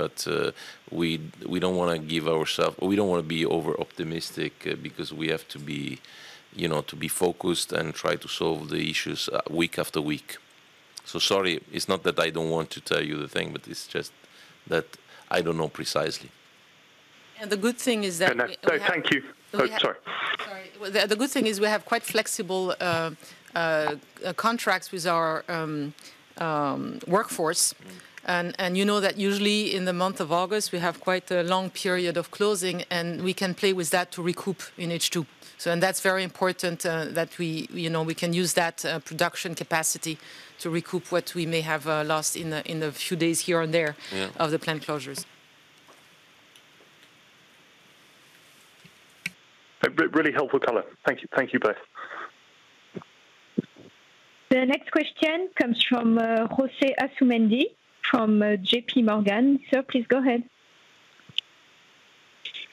S4: We don't want to be over-optimistic because we have to be focused and try to solve the issues week after week. So sorry, it's not that I don't want to tell you the thing, but it's just that I don't know precisely. And the good thing is that we have-
S9: No, thank you. Oh, sorry. Sorry. The good thing is we have quite flexible contracts with our workforce. You know that usually in the month of August, we have quite a long period of closing, and we can play with that to recoup in H2. That's very important that we can use that production capacity to recoup what we may have lost in the few days here and there.
S3: Yeah
S4: of the plant closures.
S9: A really helpful color. Thank you both.
S1: The next question comes from José Asumendi from J.P. Morgan. Sir, please go ahead.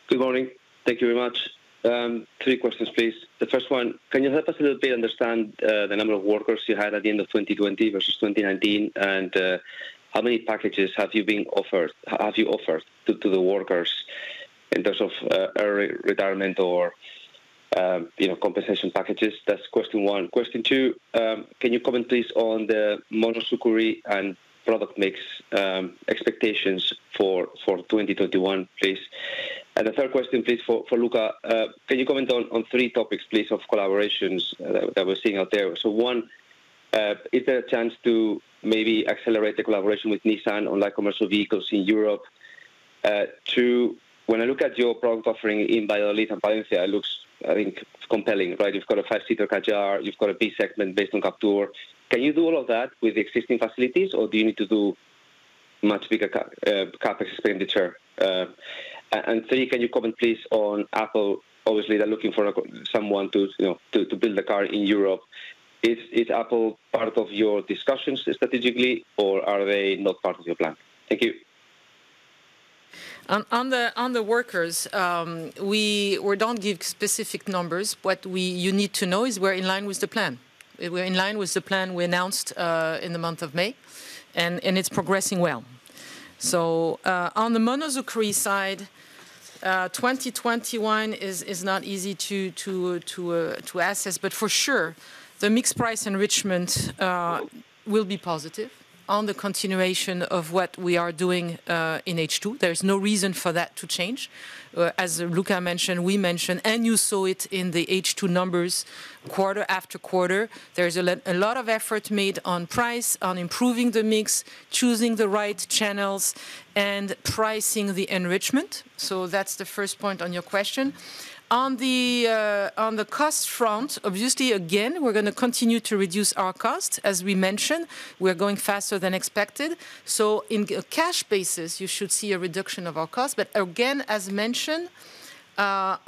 S10: Good morning. Thank you very much. Three questions, please. The first one, can you help us a little bit understand the number of workers you had at the end of 2020 versus 2019, and how many packages have you offered to the workers in terms of early retirement or compensation packages? That's question one. Question two, can you comment, please, on the Monozukuri and product mix, expectations for 2021, please? The third question, please, for Luca, can you comment on three topics, please, of collaborations that we're seeing out there. One, is there a chance to maybe accelerate the collaboration with Nissan on light commercial vehicles in Europe? Two, when I look at your product offering in Valladolid and Palencia, it looks, I think it's compelling, right? You've got a five-seater Kadjar, you've got a B-segment based on Captur. Can you do all of that with existing facilities, or do you need to do much bigger CapEx expenditure? Three, can you comment, please, on Apple. Obviously, they're looking for someone to build a car in Europe. Is Apple part of your discussions strategically, or are they not part of your plan? Thank you.
S4: On the workers, we don't give specific numbers. What you need to know is we're in line with the plan. We're in line with the plan we announced in the month of May, and it's progressing well. On the Monozukuri side, 2021 is not easy to assess, but for sure, the mix price enrichment will be positive on the continuation of what we are doing in H2. There is no reason for that to change. As Luca mentioned, we mentioned, and you saw it in the H2 numbers quarter after quarter, there is a lot of effort made on price, on improving the mix, choosing the right channels, and pricing the enrichment. That's the first point on your question. On the cost front, obviously, again, we're going to continue to reduce our cost. As we mentioned, we are going faster than expected. In cash basis, you should see a reduction of our cost. Again, as mentioned, you're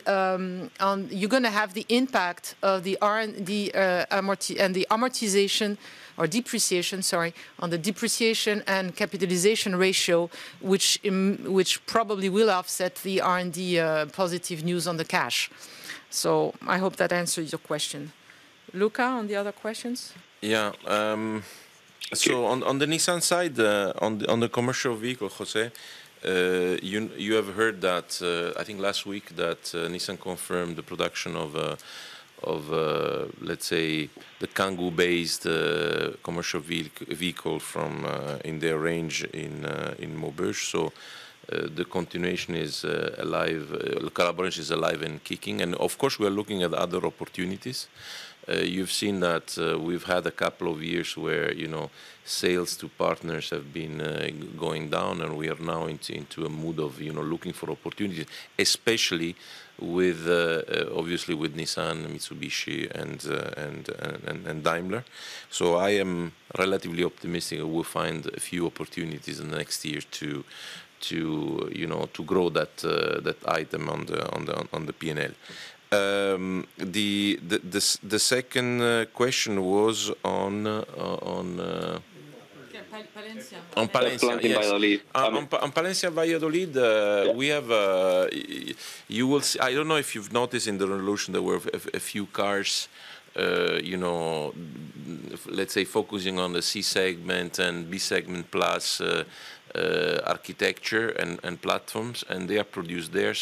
S4: going to have the impact of the amortization or depreciation, sorry, on the depreciation and capitalization ratio, which probably will offset the R&D positive news on the cash. I hope that answers your question. Luca, on the other questions?
S3: Yeah. On the Nissan side, on the commercial vehicle, José, you have heard that, I think, last week that Nissan confirmed the production of, let's say, the Kangoo-based commercial vehicle in their range in Maubeuge. The continuation is alive, the collaboration is alive and kicking. Of course, we are looking at other opportunities. You've seen that we've had a couple of years where sales to partners have been going down, we are now into a mood of looking for opportunities, especially obviously with Nissan, Mitsubishi, and Daimler. I am relatively optimistic that we'll find a few opportunities in the next year to grow that item on the P&L. The second question was on-
S4: Palencia On Palencia.
S10: Palencia and Valladolid.
S3: On Palencia and Valladolid, I don't know if you've noticed in the Renaulution, there were a few cars, let's say focusing on the C segment and B segment plus architecture and platforms. They are produced there.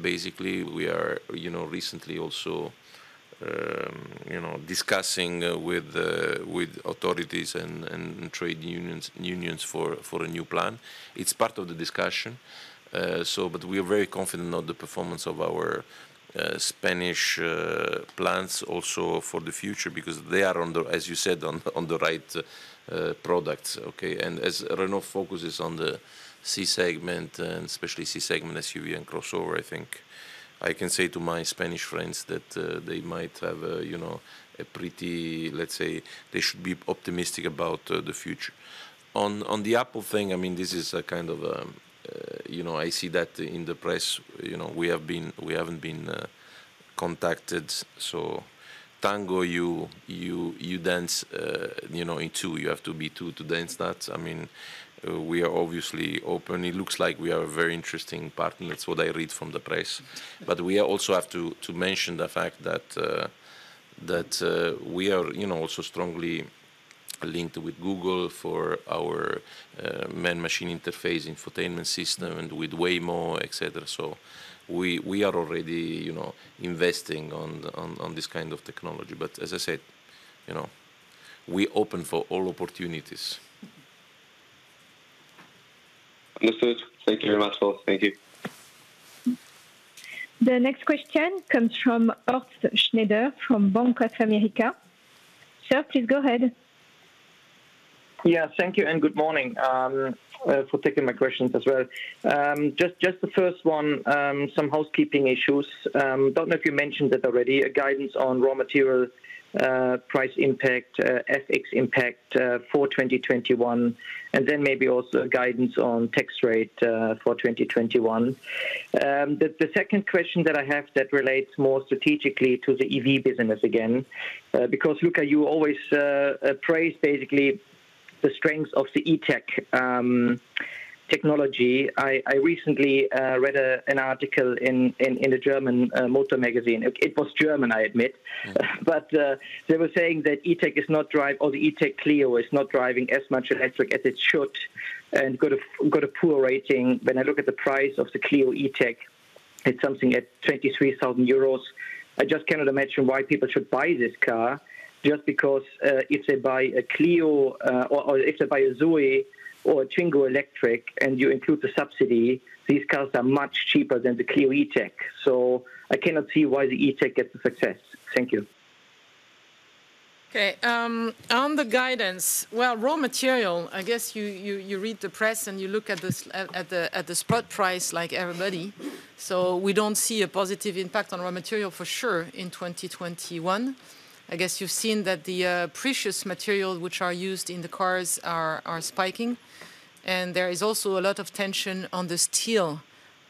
S3: Basically, we are recently also discussing with authorities and trade unions for a new plan. It's part of the discussion. We are very confident on the performance of our Spanish plants also for the future because they are, as you said, on the right products. Okay. As Renault focuses on the C segment, and especially C segment SUV and crossover, I think I can say to my Spanish friends that they might have a pretty, let's say, they should be optimistic about the future. On the Apple thing, I see that in the press. We haven't been contacted. Tango, you dance in two. You have to be two to dance that. We are obviously open. It looks like we are a very interesting partner. That's what I read from the press. We also have to mention the fact that we are also strongly linked with Google for our main machine interface, infotainment system, and with Waymo, et cetera. We are already investing on this kind of technology. As I said, we're open for all opportunities.
S10: Understood. Thank you very much both. Thank you.
S1: The next question comes from Horst Schneider from Bank of America. Sir, please go ahead.
S11: Yeah. Thank you and good morning. For taking my questions as well. Just the first one, some housekeeping issues. Don't know if you mentioned it already, a guidance on raw material price impact, FX impact for 2021, maybe also guidance on tax rate for 2021. The second question that I have that relates more strategically to the EV business again, Luca, you always praise basically the strengths of the E-Tech technology. I recently read an article in a German motor magazine. It was German, I admit. They were saying that the E-Tech Clio is not driving as much electric as it should and got a poor rating. When I look at the price of the Clio E-Tech, it's something at 23,000 euros. I just cannot imagine why people should buy this car. Just because if they buy a Clio or if they buy a Zoe or a Twingo Electric and you include the subsidy, these cars are much cheaper than the Clio E-Tech. I cannot see why the E-Tech is a success. Thank you.
S4: Okay. On the guidance, well, raw material, I guess you read the press and you look at the spot price like everybody. We don't see a positive impact on raw material for sure in 2021. I guess you've seen that the precious material which are used in the cars are spiking, and there is also a lot of tension on the steel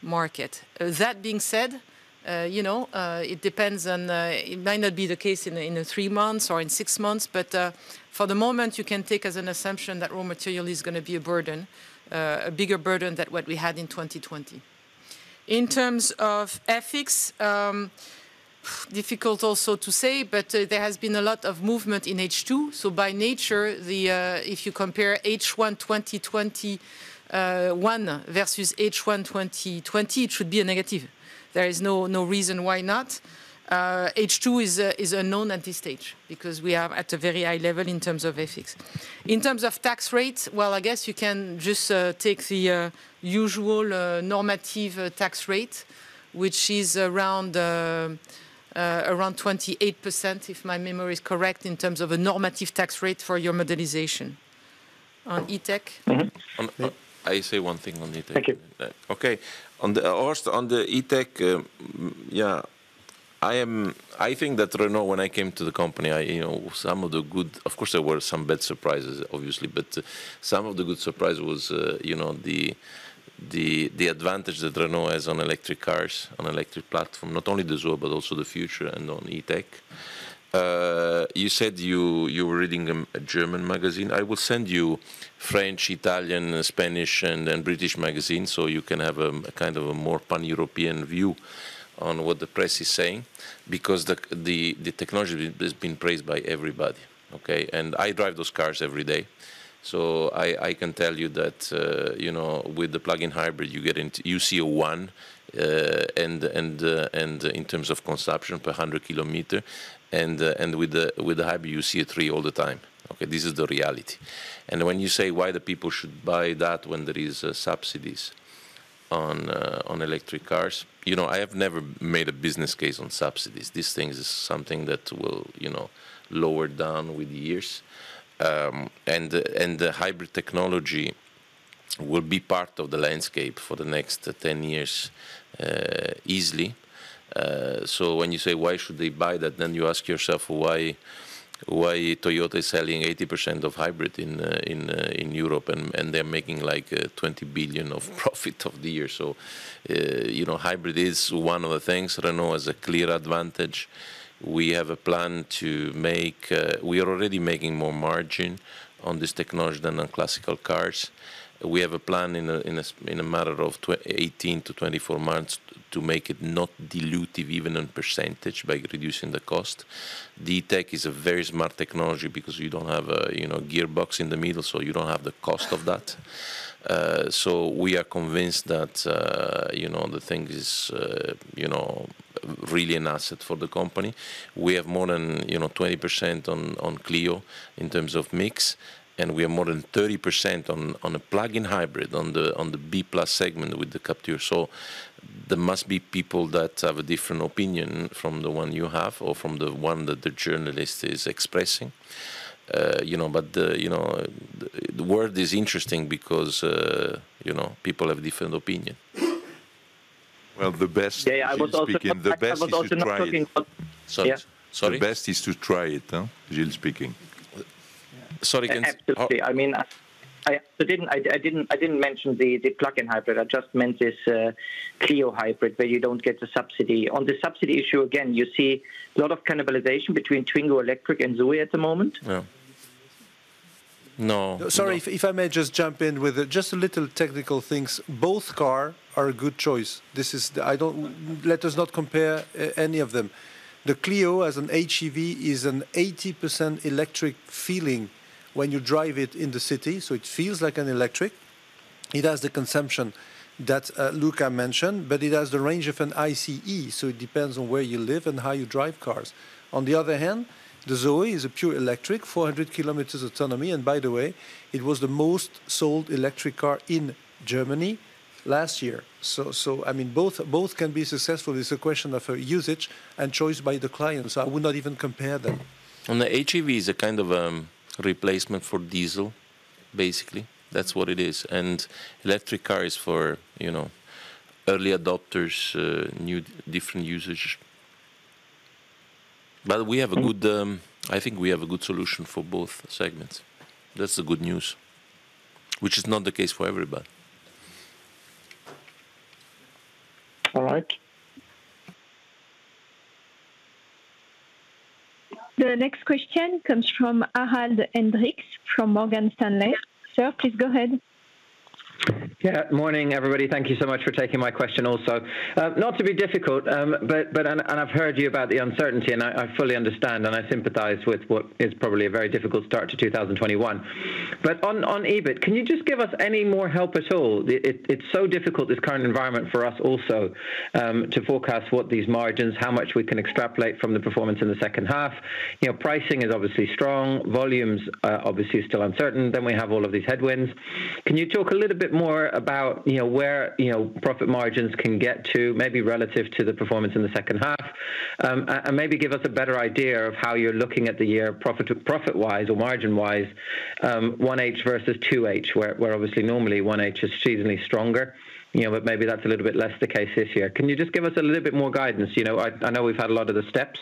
S4: market. That being said, it might not be the case in three months or in six months, but for the moment, you can take as an assumption that raw material is going to be a burden, a bigger burden than what we had in 2020. In terms of FX, difficult also to say, but there has been a lot of movement in H2. By nature, if you compare H1 2021 versus H1 2020, it should be a negative. There is no reason why not. H2 is unknown at this stage because we are at a very high level in terms of FX. In terms of tax rates, well, I guess you can just take the usual normative tax rate, which is around 28%, if my memory is correct, in terms of a normative tax rate for your modernization. On E-Tech?
S3: I say one thing on E-Tech.
S11: Thank you.
S3: Okay. On the E-Tech, I think that Renault, when I came to the company, of course, there were some bad surprises, obviously, but some of the good surprise was the advantage that Renault has on electric cars, on electric platform, not only the Zoe, but also the future and on E-Tech. You said you were reading a German magazine. I will send you French, Italian, Spanish, and British magazines so you can have a more pan-European view on what the press is saying, because the technology has been praised by everybody. Okay. I drive those cars every day. I can tell you that with the plug-in hybrid, you see a one, and in terms of consumption per 100 km, and with the hybrid, you see a three all the time. Okay. This is the reality. When you say why the people should buy that when there is subsidies on electric cars, I have never made a business case on subsidies. This thing is something that will lower down with years. The hybrid technology will be part of the landscape for the next 10 years, easily. When you say why should they buy that, then you ask yourself why Toyota is selling 80% of hybrid in Europe, and they're making 20 billion of profit of the year. Hybrid is one of the things Renault has a clear advantage. We are already making more margin on this technology than on classical cars. We have a plan in a matter of 18-24 months to make it not dilutive, even on percentage by reducing the cost. The E-Tech is a very smart technology because you don't have a gearbox in the middle, so you don't have the cost of that. We are convinced that the thing is really an asset for the company. We have more than 20% on Clio in terms of mix, and we have more than 30% on a plug-in hybrid, on the B plus segment with the Captur. There must be people that have a different opinion from the one you have or from the one that the journalist is expressing. The world is interesting because people have different opinion.
S12: Well.
S11: Yeah, I was also-
S12: The best is to try it.
S11: not talking about Yeah.
S12: Sorry? The best is to try it. Gilles speaking.
S3: Sorry,
S11: Absolutely. I didn't mention the plug-in hybrid. I just meant this Clio hybrid where you don't get the subsidy. On the subsidy issue, again, you see a lot of cannibalization between Twingo Electric and Zoe at the moment?
S3: No.
S4: Sorry, if I may just jump in with just little technical things. Both car are a good choice. Let us not compare any of them. The Clio as an HEV is an 80% electric feeling when you drive it in the city, so it feels like an electric. It has the consumption that Luca mentioned, but it has the range of an ICE, so it depends on where you live and how you drive cars. On the other hand, the Zoe is a pure electric, 400 km autonomy, and by the way, it was the most sold electric car in Germany last year. Both can be successful. It's a question of usage and choice by the clients. I would not even compare them.
S3: On the HEV is a kind of replacement for diesel, basically. That's what it is. Electric car is for early adopters, new different usage. I think we have a good solution for both segments. That's the good news, which is not the case for everybody.
S11: All right.
S1: The next question comes from Harald Hendrikse from Morgan Stanley. Sir, please go ahead.
S13: Yeah. Morning, everybody. Thank you so much for taking my question also. Not to be difficult, I've heard you about the uncertainty, I fully understand, I sympathize with what is probably a very difficult start to 2021. On EBIT, can you just give us any more help at all? It is so difficult, this current environment for us also, to forecast what these margins, how much we can extrapolate from the performance in the second half. Pricing is obviously strong, volumes obviously are still uncertain, we have all of these headwinds. Can you talk a little bit more about where profit margins can get to, maybe relative to the performance in the second half? Maybe give us a better idea of how you are looking at the year profit-wise or margin-wise, 1H versus 2H, where obviously normally 1H is seasonally stronger. Maybe that's a little bit less the case this year. Can you just give us a little bit more guidance? I know we've had a lot of the steps,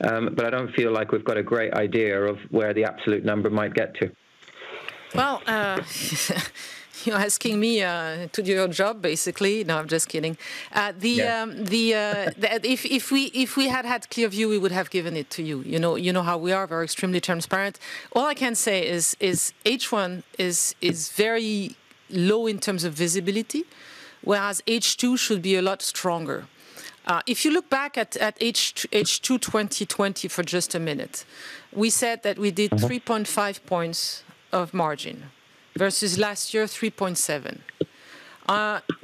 S13: but I don't feel like we've got a great idea of where the absolute number might get to.
S4: Well, you're asking me to do your job, basically. No, I'm just kidding.
S13: Yeah.
S4: If we had had clear view, we would have given it to you. You know how we are, we're extremely transparent. All I can say is H1 is very low in terms of visibility, whereas H2 should be a lot stronger. If you look back at H2 2020 for just a minute, we said that we did 3.5 points of margin versus last year, 3.7 points. In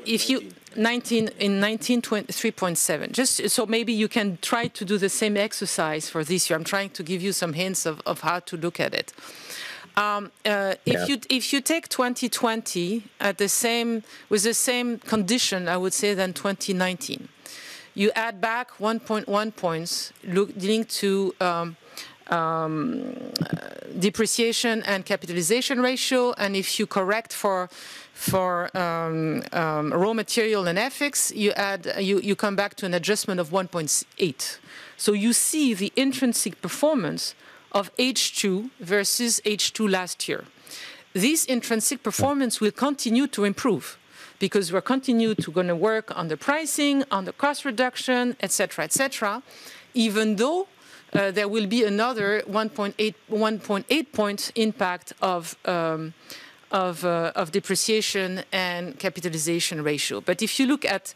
S4: 2019, 3.7 points. Just so maybe you can try to do the same exercise for this year. I'm trying to give you some hints of how to look at it.
S13: Yeah.
S4: If you take 2020 with the same condition, I would say than 2019, you add back 1.1 points linked to depreciation and capitalization ratio, and if you correct for raw material and FX, you come back to an adjustment of 1.8. You see the intrinsic performance of H2 versus H2 last year. This intrinsic performance will continue to improve because we're continued to going to work on the pricing, on the cost reduction, et cetera. Even though there will be another 1.8 points impact of depreciation and capitalization ratio. If you look at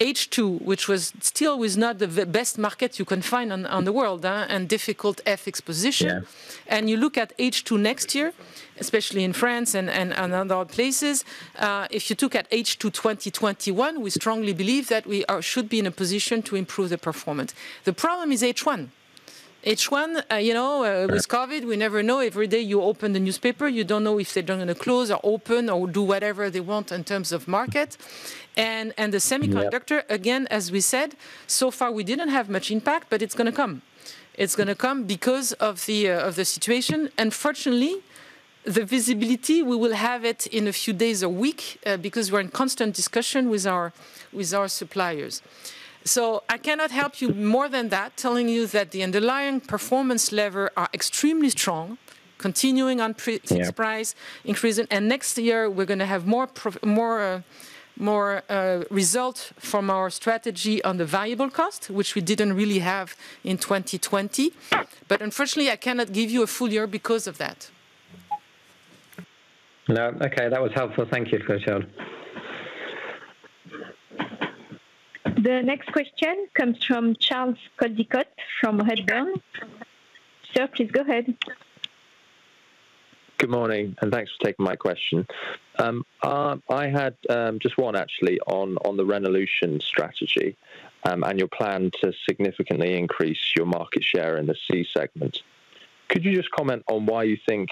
S4: H2, which still was not the best market you can find on the world, and difficult FX position.
S13: Yeah.
S4: You look at H2 next year, especially in France and other places. If you look at H2 2021, we strongly believe that we should be in a position to improve the performance. The problem is H1. H1, with COVID, we never know. Every day you open the newspaper, you don't know if they're going to close or open or do whatever they want in terms of market. The semiconductor, again, as we said, so far, we didn't have much impact, but it's going to come. It's going to come because of the situation. Fortunately, the visibility, we will have it in a few days a week, because we're in constant discussion with our suppliers. I cannot help you more than that, telling you that the underlying performance lever are extremely strong, continuing on price increase.
S13: Yeah.
S4: Next year, we're going to have more result from our strategy on the variable cost, which we didn't really have in 2020. Unfortunately, I cannot give you a full year because of that.
S13: No. Okay. That was helpful. Thank you, Clotilde.
S1: The next question comes from Charles Coldicott from Redburn. Sir, please go ahead.
S14: Good morning, and thanks for taking my question. I had just one, actually, on the Renaulution strategy, and your plan to significantly increase your market share in the C segment. Could you just comment on why you think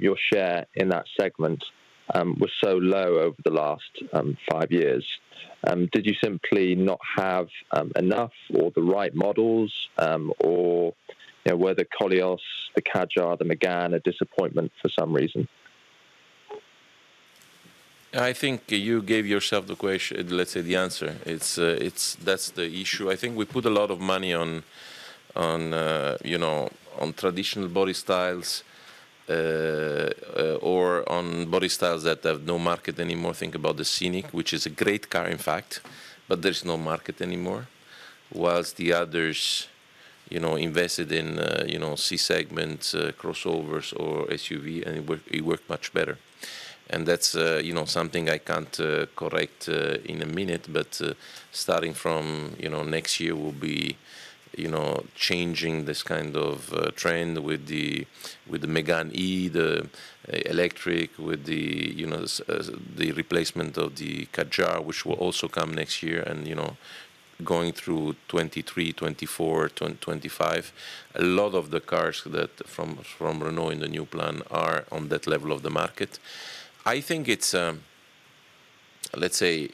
S14: your share in that segment was so low over the last five years? Did you simply not have enough or the right models, or were the Koleos, the Kadjar, the Mégane a disappointment for some reason?
S3: I think you gave yourself, let's say, the answer. That's the issue. I think we put a lot of money on traditional body styles, or on body styles that have no market anymore. Think about the Scénic, which is a great car, in fact, but there's no market anymore. While the others invested in C-segment crossovers or SUV, and it worked much better. That's something I can't correct in a minute, but starting from next year, we'll be changing this kind of trend with the Mégane E, the electric, with the replacement of the Kadjar, which will also come next year. Going through 2023, 2024, 2025, a lot of the cars from Renault in the new plan are on that level of the market. I think it's, let's say,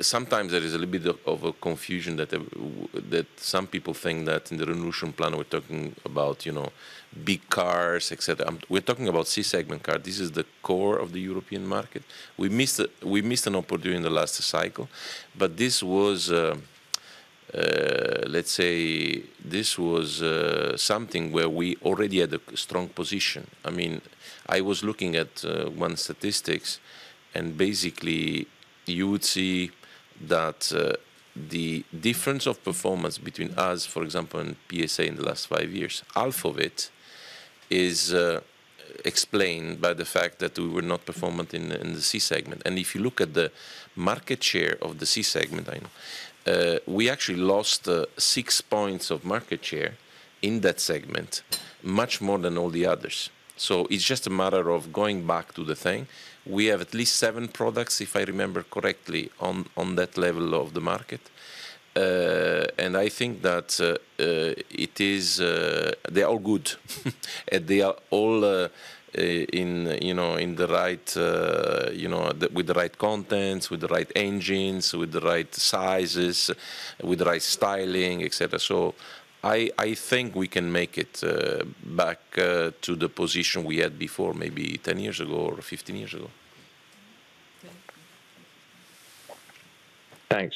S3: sometimes there is a little bit of a confusion that some people think that in the Renaulution plan, we're talking about big cars, et cetera. We're talking about C-segment car. This is the core of the European market. We missed an opportunity in the last cycle. This was, let's say, this was something where we already had a strong position. I was looking at one statistic, and basically, you would see that the difference of performance between us, for example, and PSA in the last five years, half of it is explained by the fact that we were not performant in the C segment. If you look at the market share of the C segment, I know, we actually lost 6 points of market share in that segment, much more than all the others. It's just a matter of going back to the thing. We have at least seven products, if I remember correctly, on that level of the market. I think that they are all good. They are all with the right contents, with the right engines, with the right sizes, with the right styling, et cetera. I think we can make it back to the position we had before, maybe 10 years ago or 15 years ago.
S14: Thank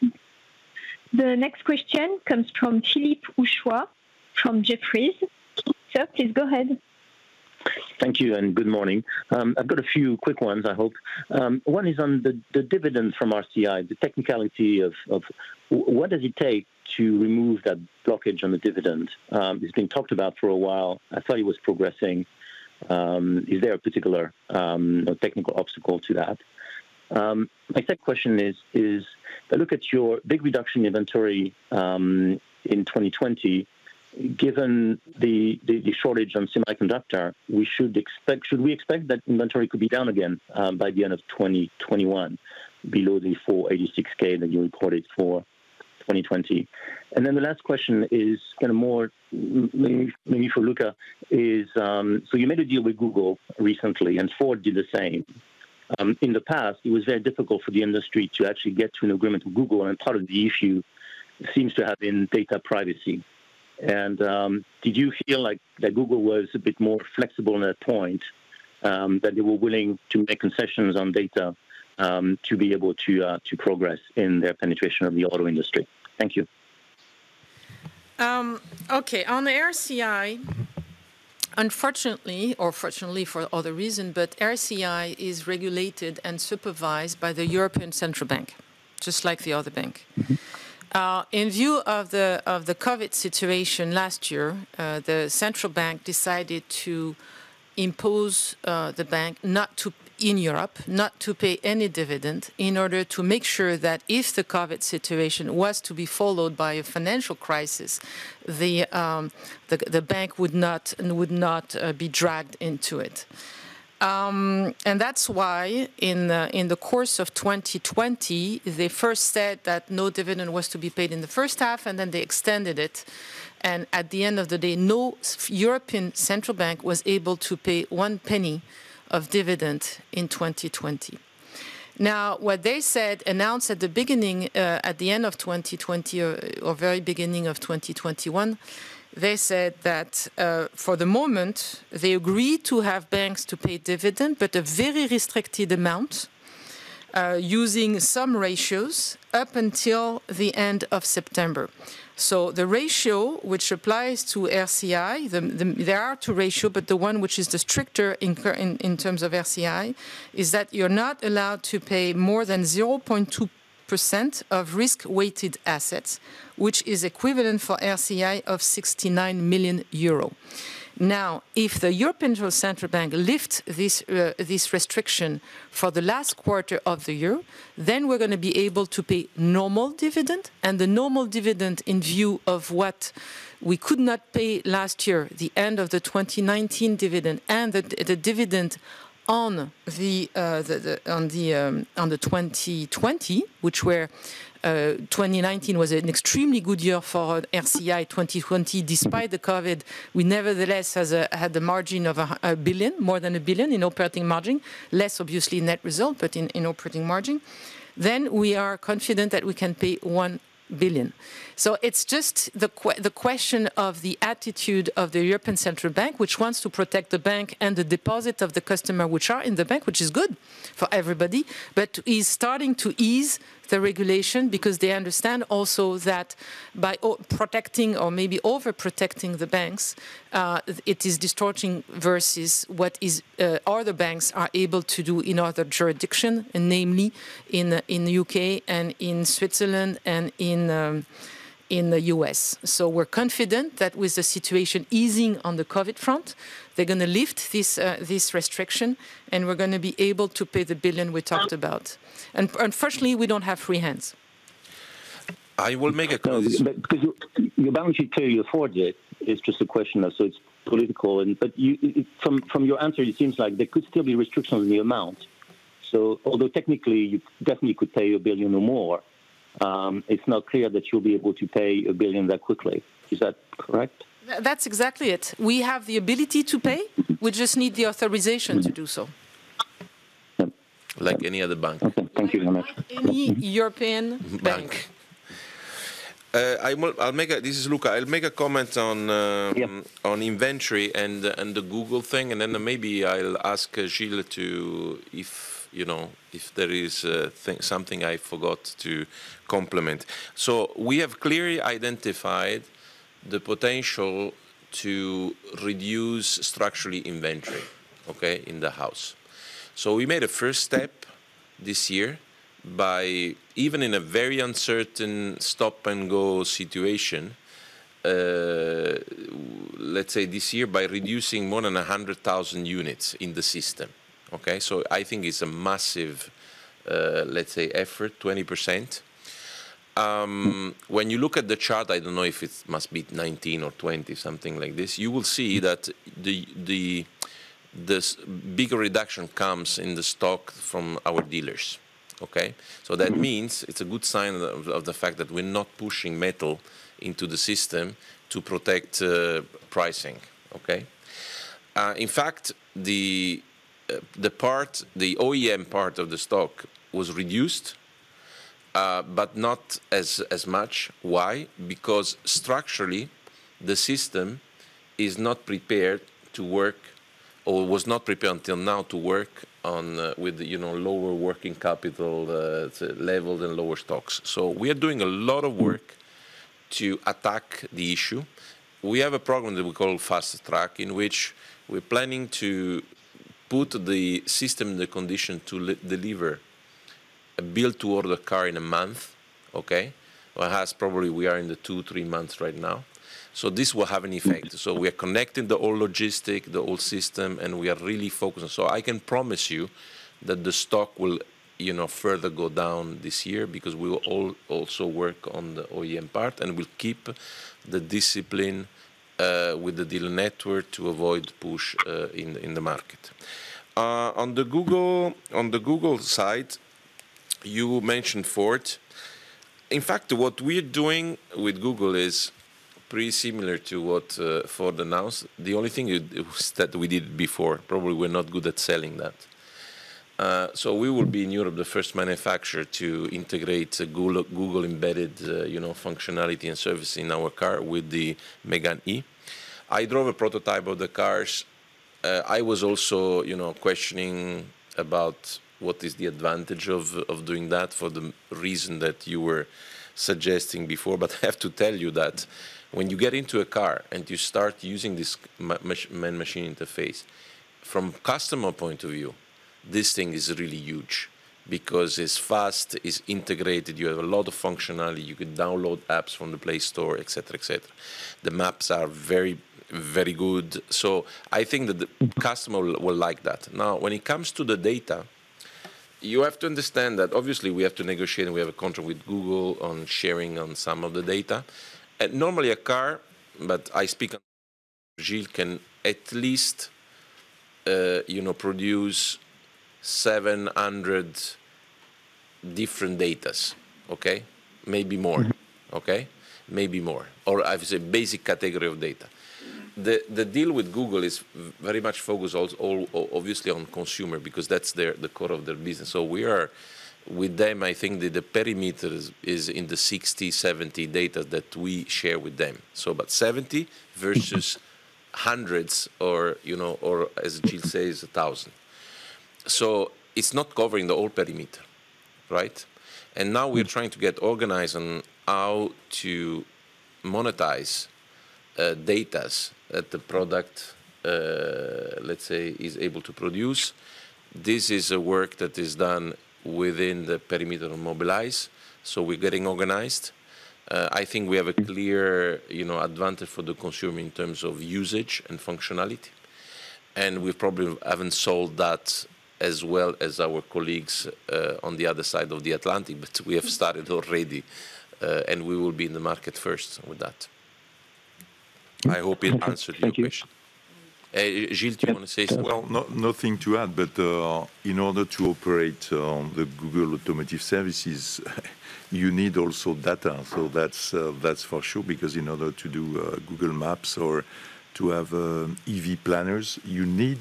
S14: you.
S1: The next question comes from Philippe Houchois from Jefferies. Sir, please go ahead.
S15: Thank you. Good morning. I've got a few quick ones, I hope. One is on the dividend from RCI, the technicality of what does it take to remove that blockage on the dividend. It's been talked about for a while. I thought it was progressing. Is there a particular technical obstacle to that? My second question is, I look at your big reduction in inventory in 2020. Given the shortage on semiconductors, should we expect that inventory could be down again by the end of 2021, below the 486,000 that you recorded for 2020? The last question is more maybe for Luca. You made a deal with Google recently, and Ford did the same. In the past, it was very difficult for the industry to actually get to an agreement with Google. Part of the issue seems to have been data privacy. Did you feel like that Google was a bit more flexible on that point, that they were willing to make concessions on data to be able to progress in their penetration of the auto industry? Thank you.
S4: Okay. On RCI, unfortunately or fortunately for other reason, RCI is regulated and supervised by the European Central Bank, just like the other bank. In view of the COVID situation last year, the European Central Bank decided to impose the bank, in Europe, not to pay any dividend, in order to make sure that if the COVID situation was to be followed by a financial crisis, the bank would not be dragged into it. That's why in the course of 2020, they first said that no dividend was to be paid in the first half, and then they extended it. At the end of the day, no European Central Bank was able to pay 0.01 of dividend in 2020. What they announced at the end of 2020 or very beginning of 2021, they said that, for the moment, they agreed to have banks to pay dividend, but a very restricted amount, using some ratios up until the end of September. The ratio, which applies to RCI, there are two ratios, but the one which is the stricter in terms of RCI, is that you're not allowed to pay more than 0.2% of risk-weighted assets, which is equivalent for RCI of 69 million euro. If the European Central Bank lifts this restriction for the last quarter of the year, we're going to be able to pay normal dividend, the normal dividend in view of what we could not pay last year, the end of the 2019 dividend and the dividend on the 2020. 2019 was an extremely good year for RCI. 2020, despite the COVID, we nevertheless had the margin of a billion, more than a billion in operating margin. Less, obviously, net result, but in operating margin. We are confident that we can pay 1 billion. It's just the question of the attitude of the European Central Bank, which wants to protect the bank and the deposit of the customer, which are in the bank, which is good for everybody. Is starting to ease the regulation because they understand also that by protecting or maybe overprotecting the banks, it is distorting versus what other banks are able to do in other jurisdiction, and namely in the U.K. and in Switzerland and in the U.S. We're confident that with the situation easing on the COVID front, they're going to lift this restriction, and we're going to be able to pay the billion we talked about. Unfortunately, we don't have free hands.
S3: I will make a comment.
S15: Because your balance sheet pay you afford it's just a question of, so it's political. From your answer, it seems like there could still be restrictions on the amount. Although technically, you definitely could pay a billion or more, it's not clear that you'll be able to pay a billion that quickly. Is that correct?
S4: That's exactly it. We have the ability to pay. We just need the authorization to do so.
S3: Like any other bank.
S15: Okay. Thank you very much.
S4: Like any European bank.
S3: This is Luca. I'll make a comment.
S15: Yeah
S3: on inventory and the Google thing. Maybe I'll ask Gilles if there is something I forgot to complement. We have clearly identified the potential to reduce structurally inventory, okay, in the house. We made a first step this year by, even in a very uncertain stop-and-go situation, let's say this year, by reducing more than 100,000 units in the system. Okay? I think it's a massive, let's say, effort, 20%. When you look at the chart, I don't know if it must be 2019 or 2020, something like this, you will see that this bigger reduction comes in the stock from our dealers. Okay? That means it's a good sign of the fact that we're not pushing metal into the system to protect pricing. Okay? In fact, the OEM part of the stock was reduced, but not as much. Why? Structurally, the system is not prepared to work, or was not prepared until now to work with lower working capital levels and lower stocks. We are doing a lot of work to attack the issue. We have a program that we call Fast Track, in which we are planning to put the system in the condition to deliver a build-to-order car in one month. Okay? Whereas probably we are in the two, three months right now. This will have an effect. We are connecting the old logistics, the old system, and we are really focused. I can promise you that the stock will further go down this year, because we will also work on the OEM part, and we will keep the discipline with the dealer network to avoid push in the market. On the Google side, you mentioned Ford. In fact, what we're doing with Google is pretty similar to what Ford announced. The only thing is that we did it before, probably we're not good at selling that. We will be, in Europe, the first manufacturer to integrate Google embedded functionality and service in our car with the Mégane E. I drove a prototype of the cars. I was also questioning about what is the advantage of doing that for the reason that you were suggesting before. I have to tell you that when you get into a car and you start using this man-machine interface, from customer point of view, this thing is really huge because it's fast, it's integrated, you have a lot of functionality, you can download apps from the Play Store, et cetera, et cetera. The maps are very good. I think that the customer will like that. Now, when it comes to the data, you have to understand that obviously we have to negotiate, and we have a contract with Google on sharing on some of the data. Normally a car, but I speak on, Gilles can at least produce 700 different data's. Okay? Maybe more. Okay? Maybe more. I would say basic category of data. The deal with Google is very much focused obviously on consumer, because that's the core of their business. We are with them, I think that the perimeter is in the 60, 70 data that we share with them. About 70 versus hundreds or, as Gilles says, a thousand. It's not covering the whole perimeter. Right? Now we're trying to get organized on how to monetize datas that the product, let's say, is able to produce. This is a work that is done within the perimeter of Mobilize. We're getting organized. I think we have a clear advantage for the consumer in terms of usage and functionality, and we probably haven't sold that as well as our colleagues, on the other side of the Atlantic. We have started already. We will be in the market first with that. I hope it answered your question.
S15: Thank you.
S3: Gilles, do you want to say something?
S12: Well, nothing to add, in order to operate on the Google Automotive Services, you need also data. That's for sure, because in order to do Google Maps or to have EV planners, you need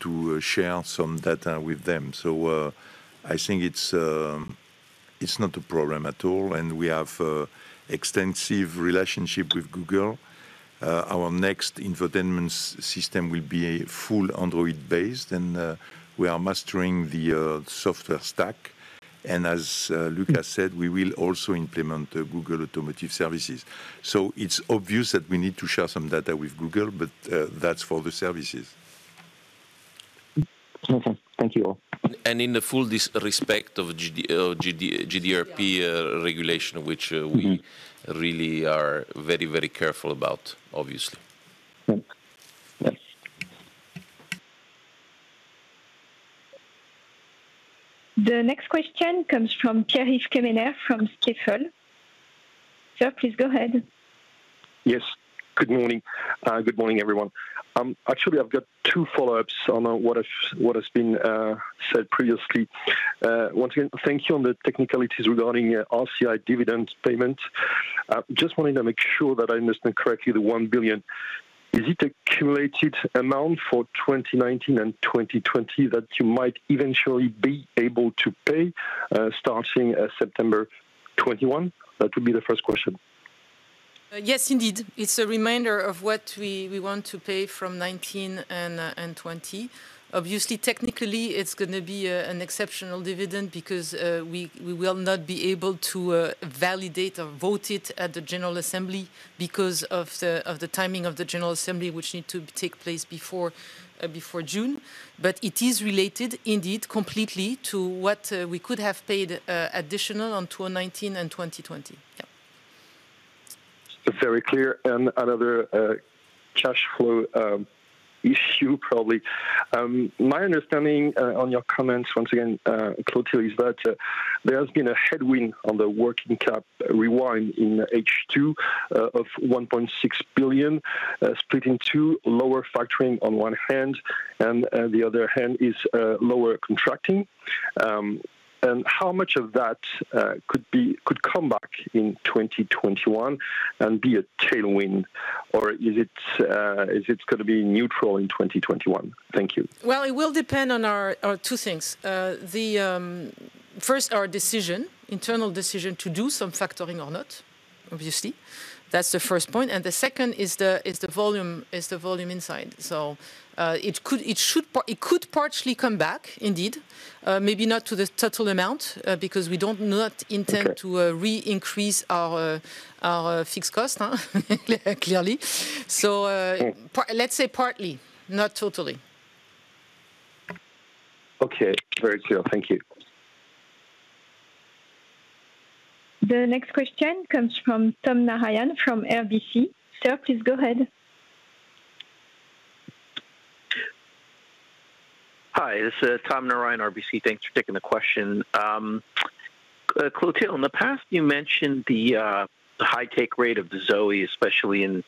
S12: to share some data with them. I think it's not a problem at all, and we have extensive relationship with Google. Our next infotainment system will be a full Android-based, we are mastering the software stack. As Luca said, we will also implement Google Automotive Services. It's obvious that we need to share some data with Google, that's for the services.
S15: Okay. Thank you all.
S3: In the full respect of GDPR regulation, which we really are very, very careful about, obviously.
S15: Thank you.
S1: The next question comes from Pierre-Yves Quéméner from Stifel. Sir, please go ahead.
S16: Yes. Good morning. Good morning, everyone. Actually, I've got two follow-ups on what has been said previously. Once again, thank you on the technicalities regarding RCI dividend payment. Just wanting to make sure that I understand correctly the 1 billion. Is it accumulated amount for 2019 and 2020 that you might eventually be able to pay, starting September 2021? That would be the first question.
S4: Yes, indeed. It's a reminder of what we want to pay from 2019 and 2020. Obviously, technically, it's going to be an exceptional dividend because, we will not be able to validate or vote it at the general assembly because of the timing of the general assembly, which need to take place before June. It is related, indeed, completely to what we could have paid additional on 2019 and 2020. Yeah.
S16: Very clear. Another cash flow issue, probably. My understanding on your comments once again, Clotilde, is that there has been a headwind on the working cap rewind in H2 of 1.6 billion, split in two, lower factoring on one hand, and the other hand is lower contracting. How much of that could come back in 2021 and be a tailwind, or is it going to be neutral in 2021? Thank you.
S4: Well, it will depend on two things. First, our decision, internal decision to do some factoring or not, obviously. That's the first point, and the second is the volume inside. It could partially come back indeed. Maybe not to the total amount, because we do not intend to re-increase our fixed cost, clearly. Let's say partly, not totally.
S16: Okay. Very clear. Thank you.
S1: The next question comes from Tom Narayan from RBC. Sir, please go ahead.
S17: Hi, this is Tom Narayan, RBC. Thanks for taking the question. Clotilde, in the past you mentioned the high take rate of the Zoe, especially in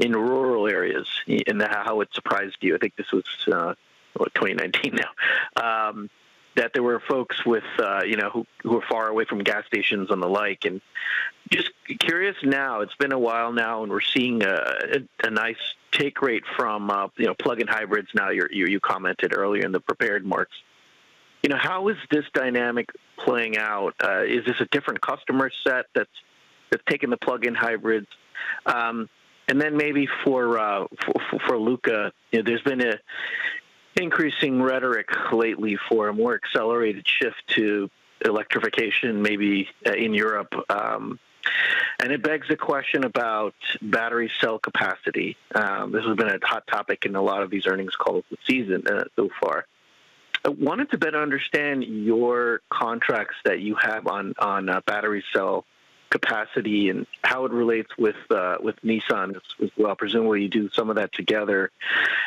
S17: rural areas, and how it surprised you. I think this was, what, 2019 now? That there were folks who were far away from gas stations and the like, just curious now, it's been a while now, and we're seeing a nice take rate from plug-in hybrids now. You commented earlier in the prepared remarks. How is this dynamic playing out? Is this a different customer set that's taking the plug-in hybrids? Then maybe for Luca, there's been an increasing rhetoric lately for a more accelerated shift to electrification, maybe in Europe. It begs the question about battery cell capacity. This has been a hot topic in a lot of these earnings calls this season so far. I wanted to better understand your contracts that you have on battery cell capacity and how it relates with Nissan as well. Presumably, you do some of that together.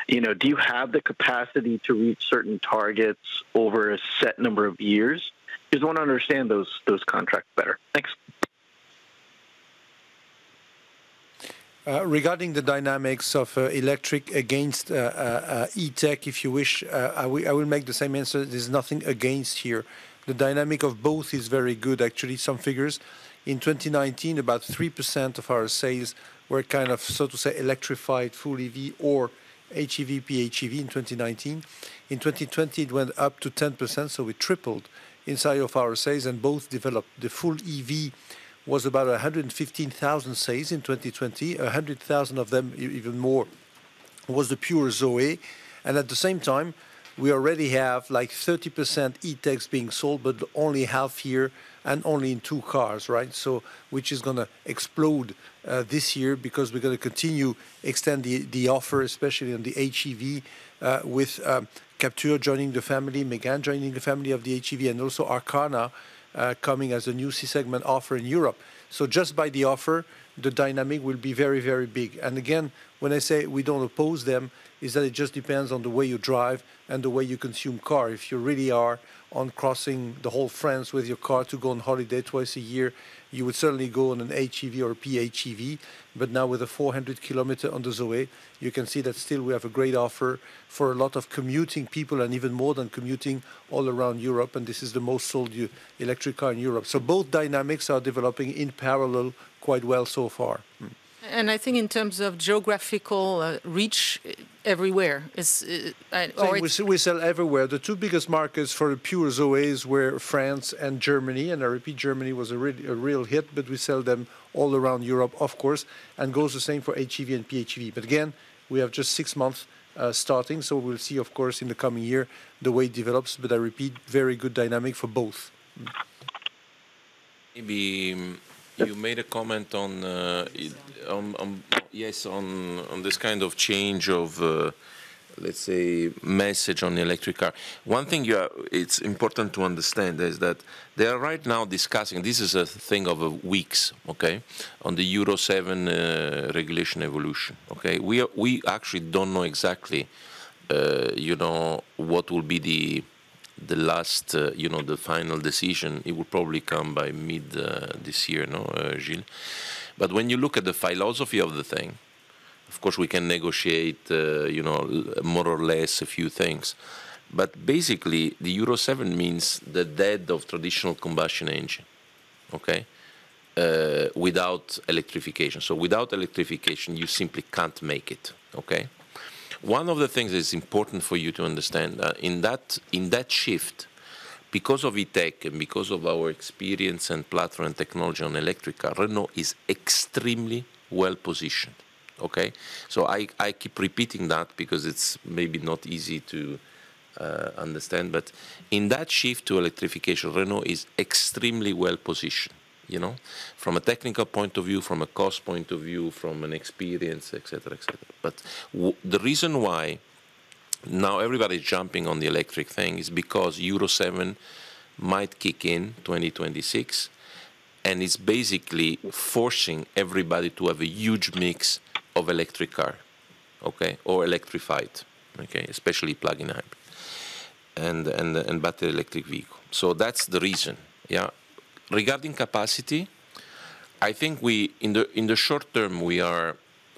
S17: Do you have the capacity to reach certain targets over a set number of years? I just want to understand those contracts better. Thanks.
S7: Regarding the dynamics of electric against E-Tech, if you wish, I will make the same answer. There's nothing against here. The dynamic of both is very good, actually. Some figures, in 2019, about 3% of our sales were kind of, so to say, electrified, full EV or HEV, PHEV in 2019. In 2020, it went up to 10%, so we tripled inside of our sales and both developed. The full EV was about 115,000 sales in 2020. 100,000 of them, even more, was the pure Zoe. At the same time, we already have 30% E-Techs being sold, but only half year and only in two cars, right? Which is going to explode this year because we're going to continue extend the offer, especially on the HEV, with Captur joining the family, Mégane joining the family of the HEV, and also Arkana coming as a new C-segment offer in Europe. Just by the offer, the dynamic will be very, very big. Again, when I say we don't oppose them, is that it just depends on the way you drive and the way you consume car. If you really are on crossing the whole France with your car to go on holiday twice a year, you would certainly go on an HEV or PHEV. Now with a 400 km on the Zoe, you can see that still we have a great offer for a lot of commuting people, and even more than commuting, all around Europe, and this is the most sold electric car in Europe. Both dynamics are developing in parallel quite well so far.
S4: I think in terms of geographical reach, everywhere.
S7: We sell everywhere. The two biggest markets for pure Zoes were France and Germany. I repeat, Germany was a real hit. We sell them all around Europe, of course, and goes the same for HEV and PHEV. Again, we have just six months starting. We'll see, of course, in the coming year, the way it develops. I repeat, very good dynamic for both.
S3: Maybe you made a comment on. Yes, on this kind of change of, let's say, message on the electric car. One thing it's important to understand is that they are right now discussing, this is a thing of weeks, okay, on the Euro 7 regulation evolution. We actually don't know exactly what will be the last, final decision. It will probably come by mid this year. No, Gilles? When you look at the philosophy of the thing, of course we can negotiate more or less a few things. Basically, the Euro 7 means the death of traditional combustion engine, okay, without electrification. Without electrification, you simply can't make it, okay? One of the things that is important for you to understand, in that shift, because of E-Tech and because of our experience and platform, technology on electric car, Renault is extremely well-positioned, okay? I keep repeating that because it's maybe not easy to understand, but in that shift to electrification, Renault is extremely well-positioned. From a technical point of view, from a cost point of view, from an experience, et cetera. The reason why now everybody is jumping on the electric thing is because Euro 7 might kick in 2026, and it's basically forcing everybody to have a huge mix of electric car, okay, or electrified, okay, especially plug-in hybrid and battery electric vehicle. That's the reason, yeah. Regarding capacity, I think in the short term, we are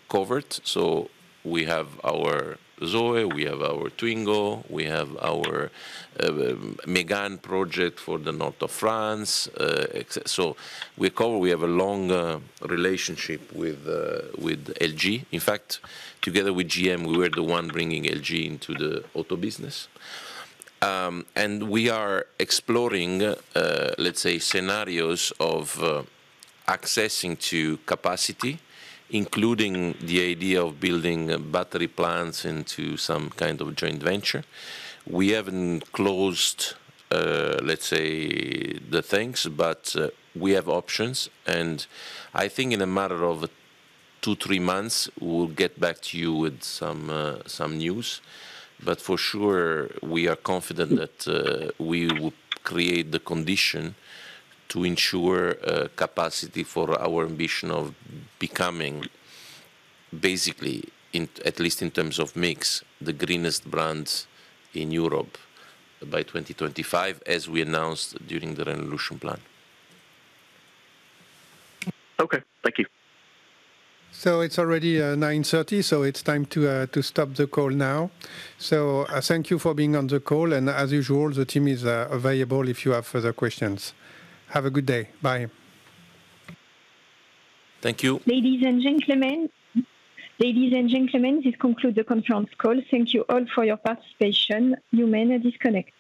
S3: covered. We have our Zoe, we have our Twingo, we have our Mégane project for the north of France. We are covered. We have a long relationship with LG. In fact, together with GM, we were the one bringing LG into the auto business. We are exploring, let's say, scenarios of accessing to capacity, including the idea of building battery plants into some kind of joint venture. We haven't closed, let's say, the things, but we have options, and I think in a matter of two, three months, we'll get back to you with some news. For sure, we are confident that we will create the condition to ensure capacity for our ambition of becoming, basically, at least in terms of mix, the greenest brands in Europe by 2025, as we announced during the Renaulution plan.
S17: Okay, thank you.
S2: It's already 9:30, so it's time to stop the call now. Thank you for being on the call, and as usual, the team is available if you have further questions. Have a good day. Bye.
S3: Thank you.
S1: Ladies and gentlemen, this conclude the conference call. Thank you all for your participation. You may disconnect.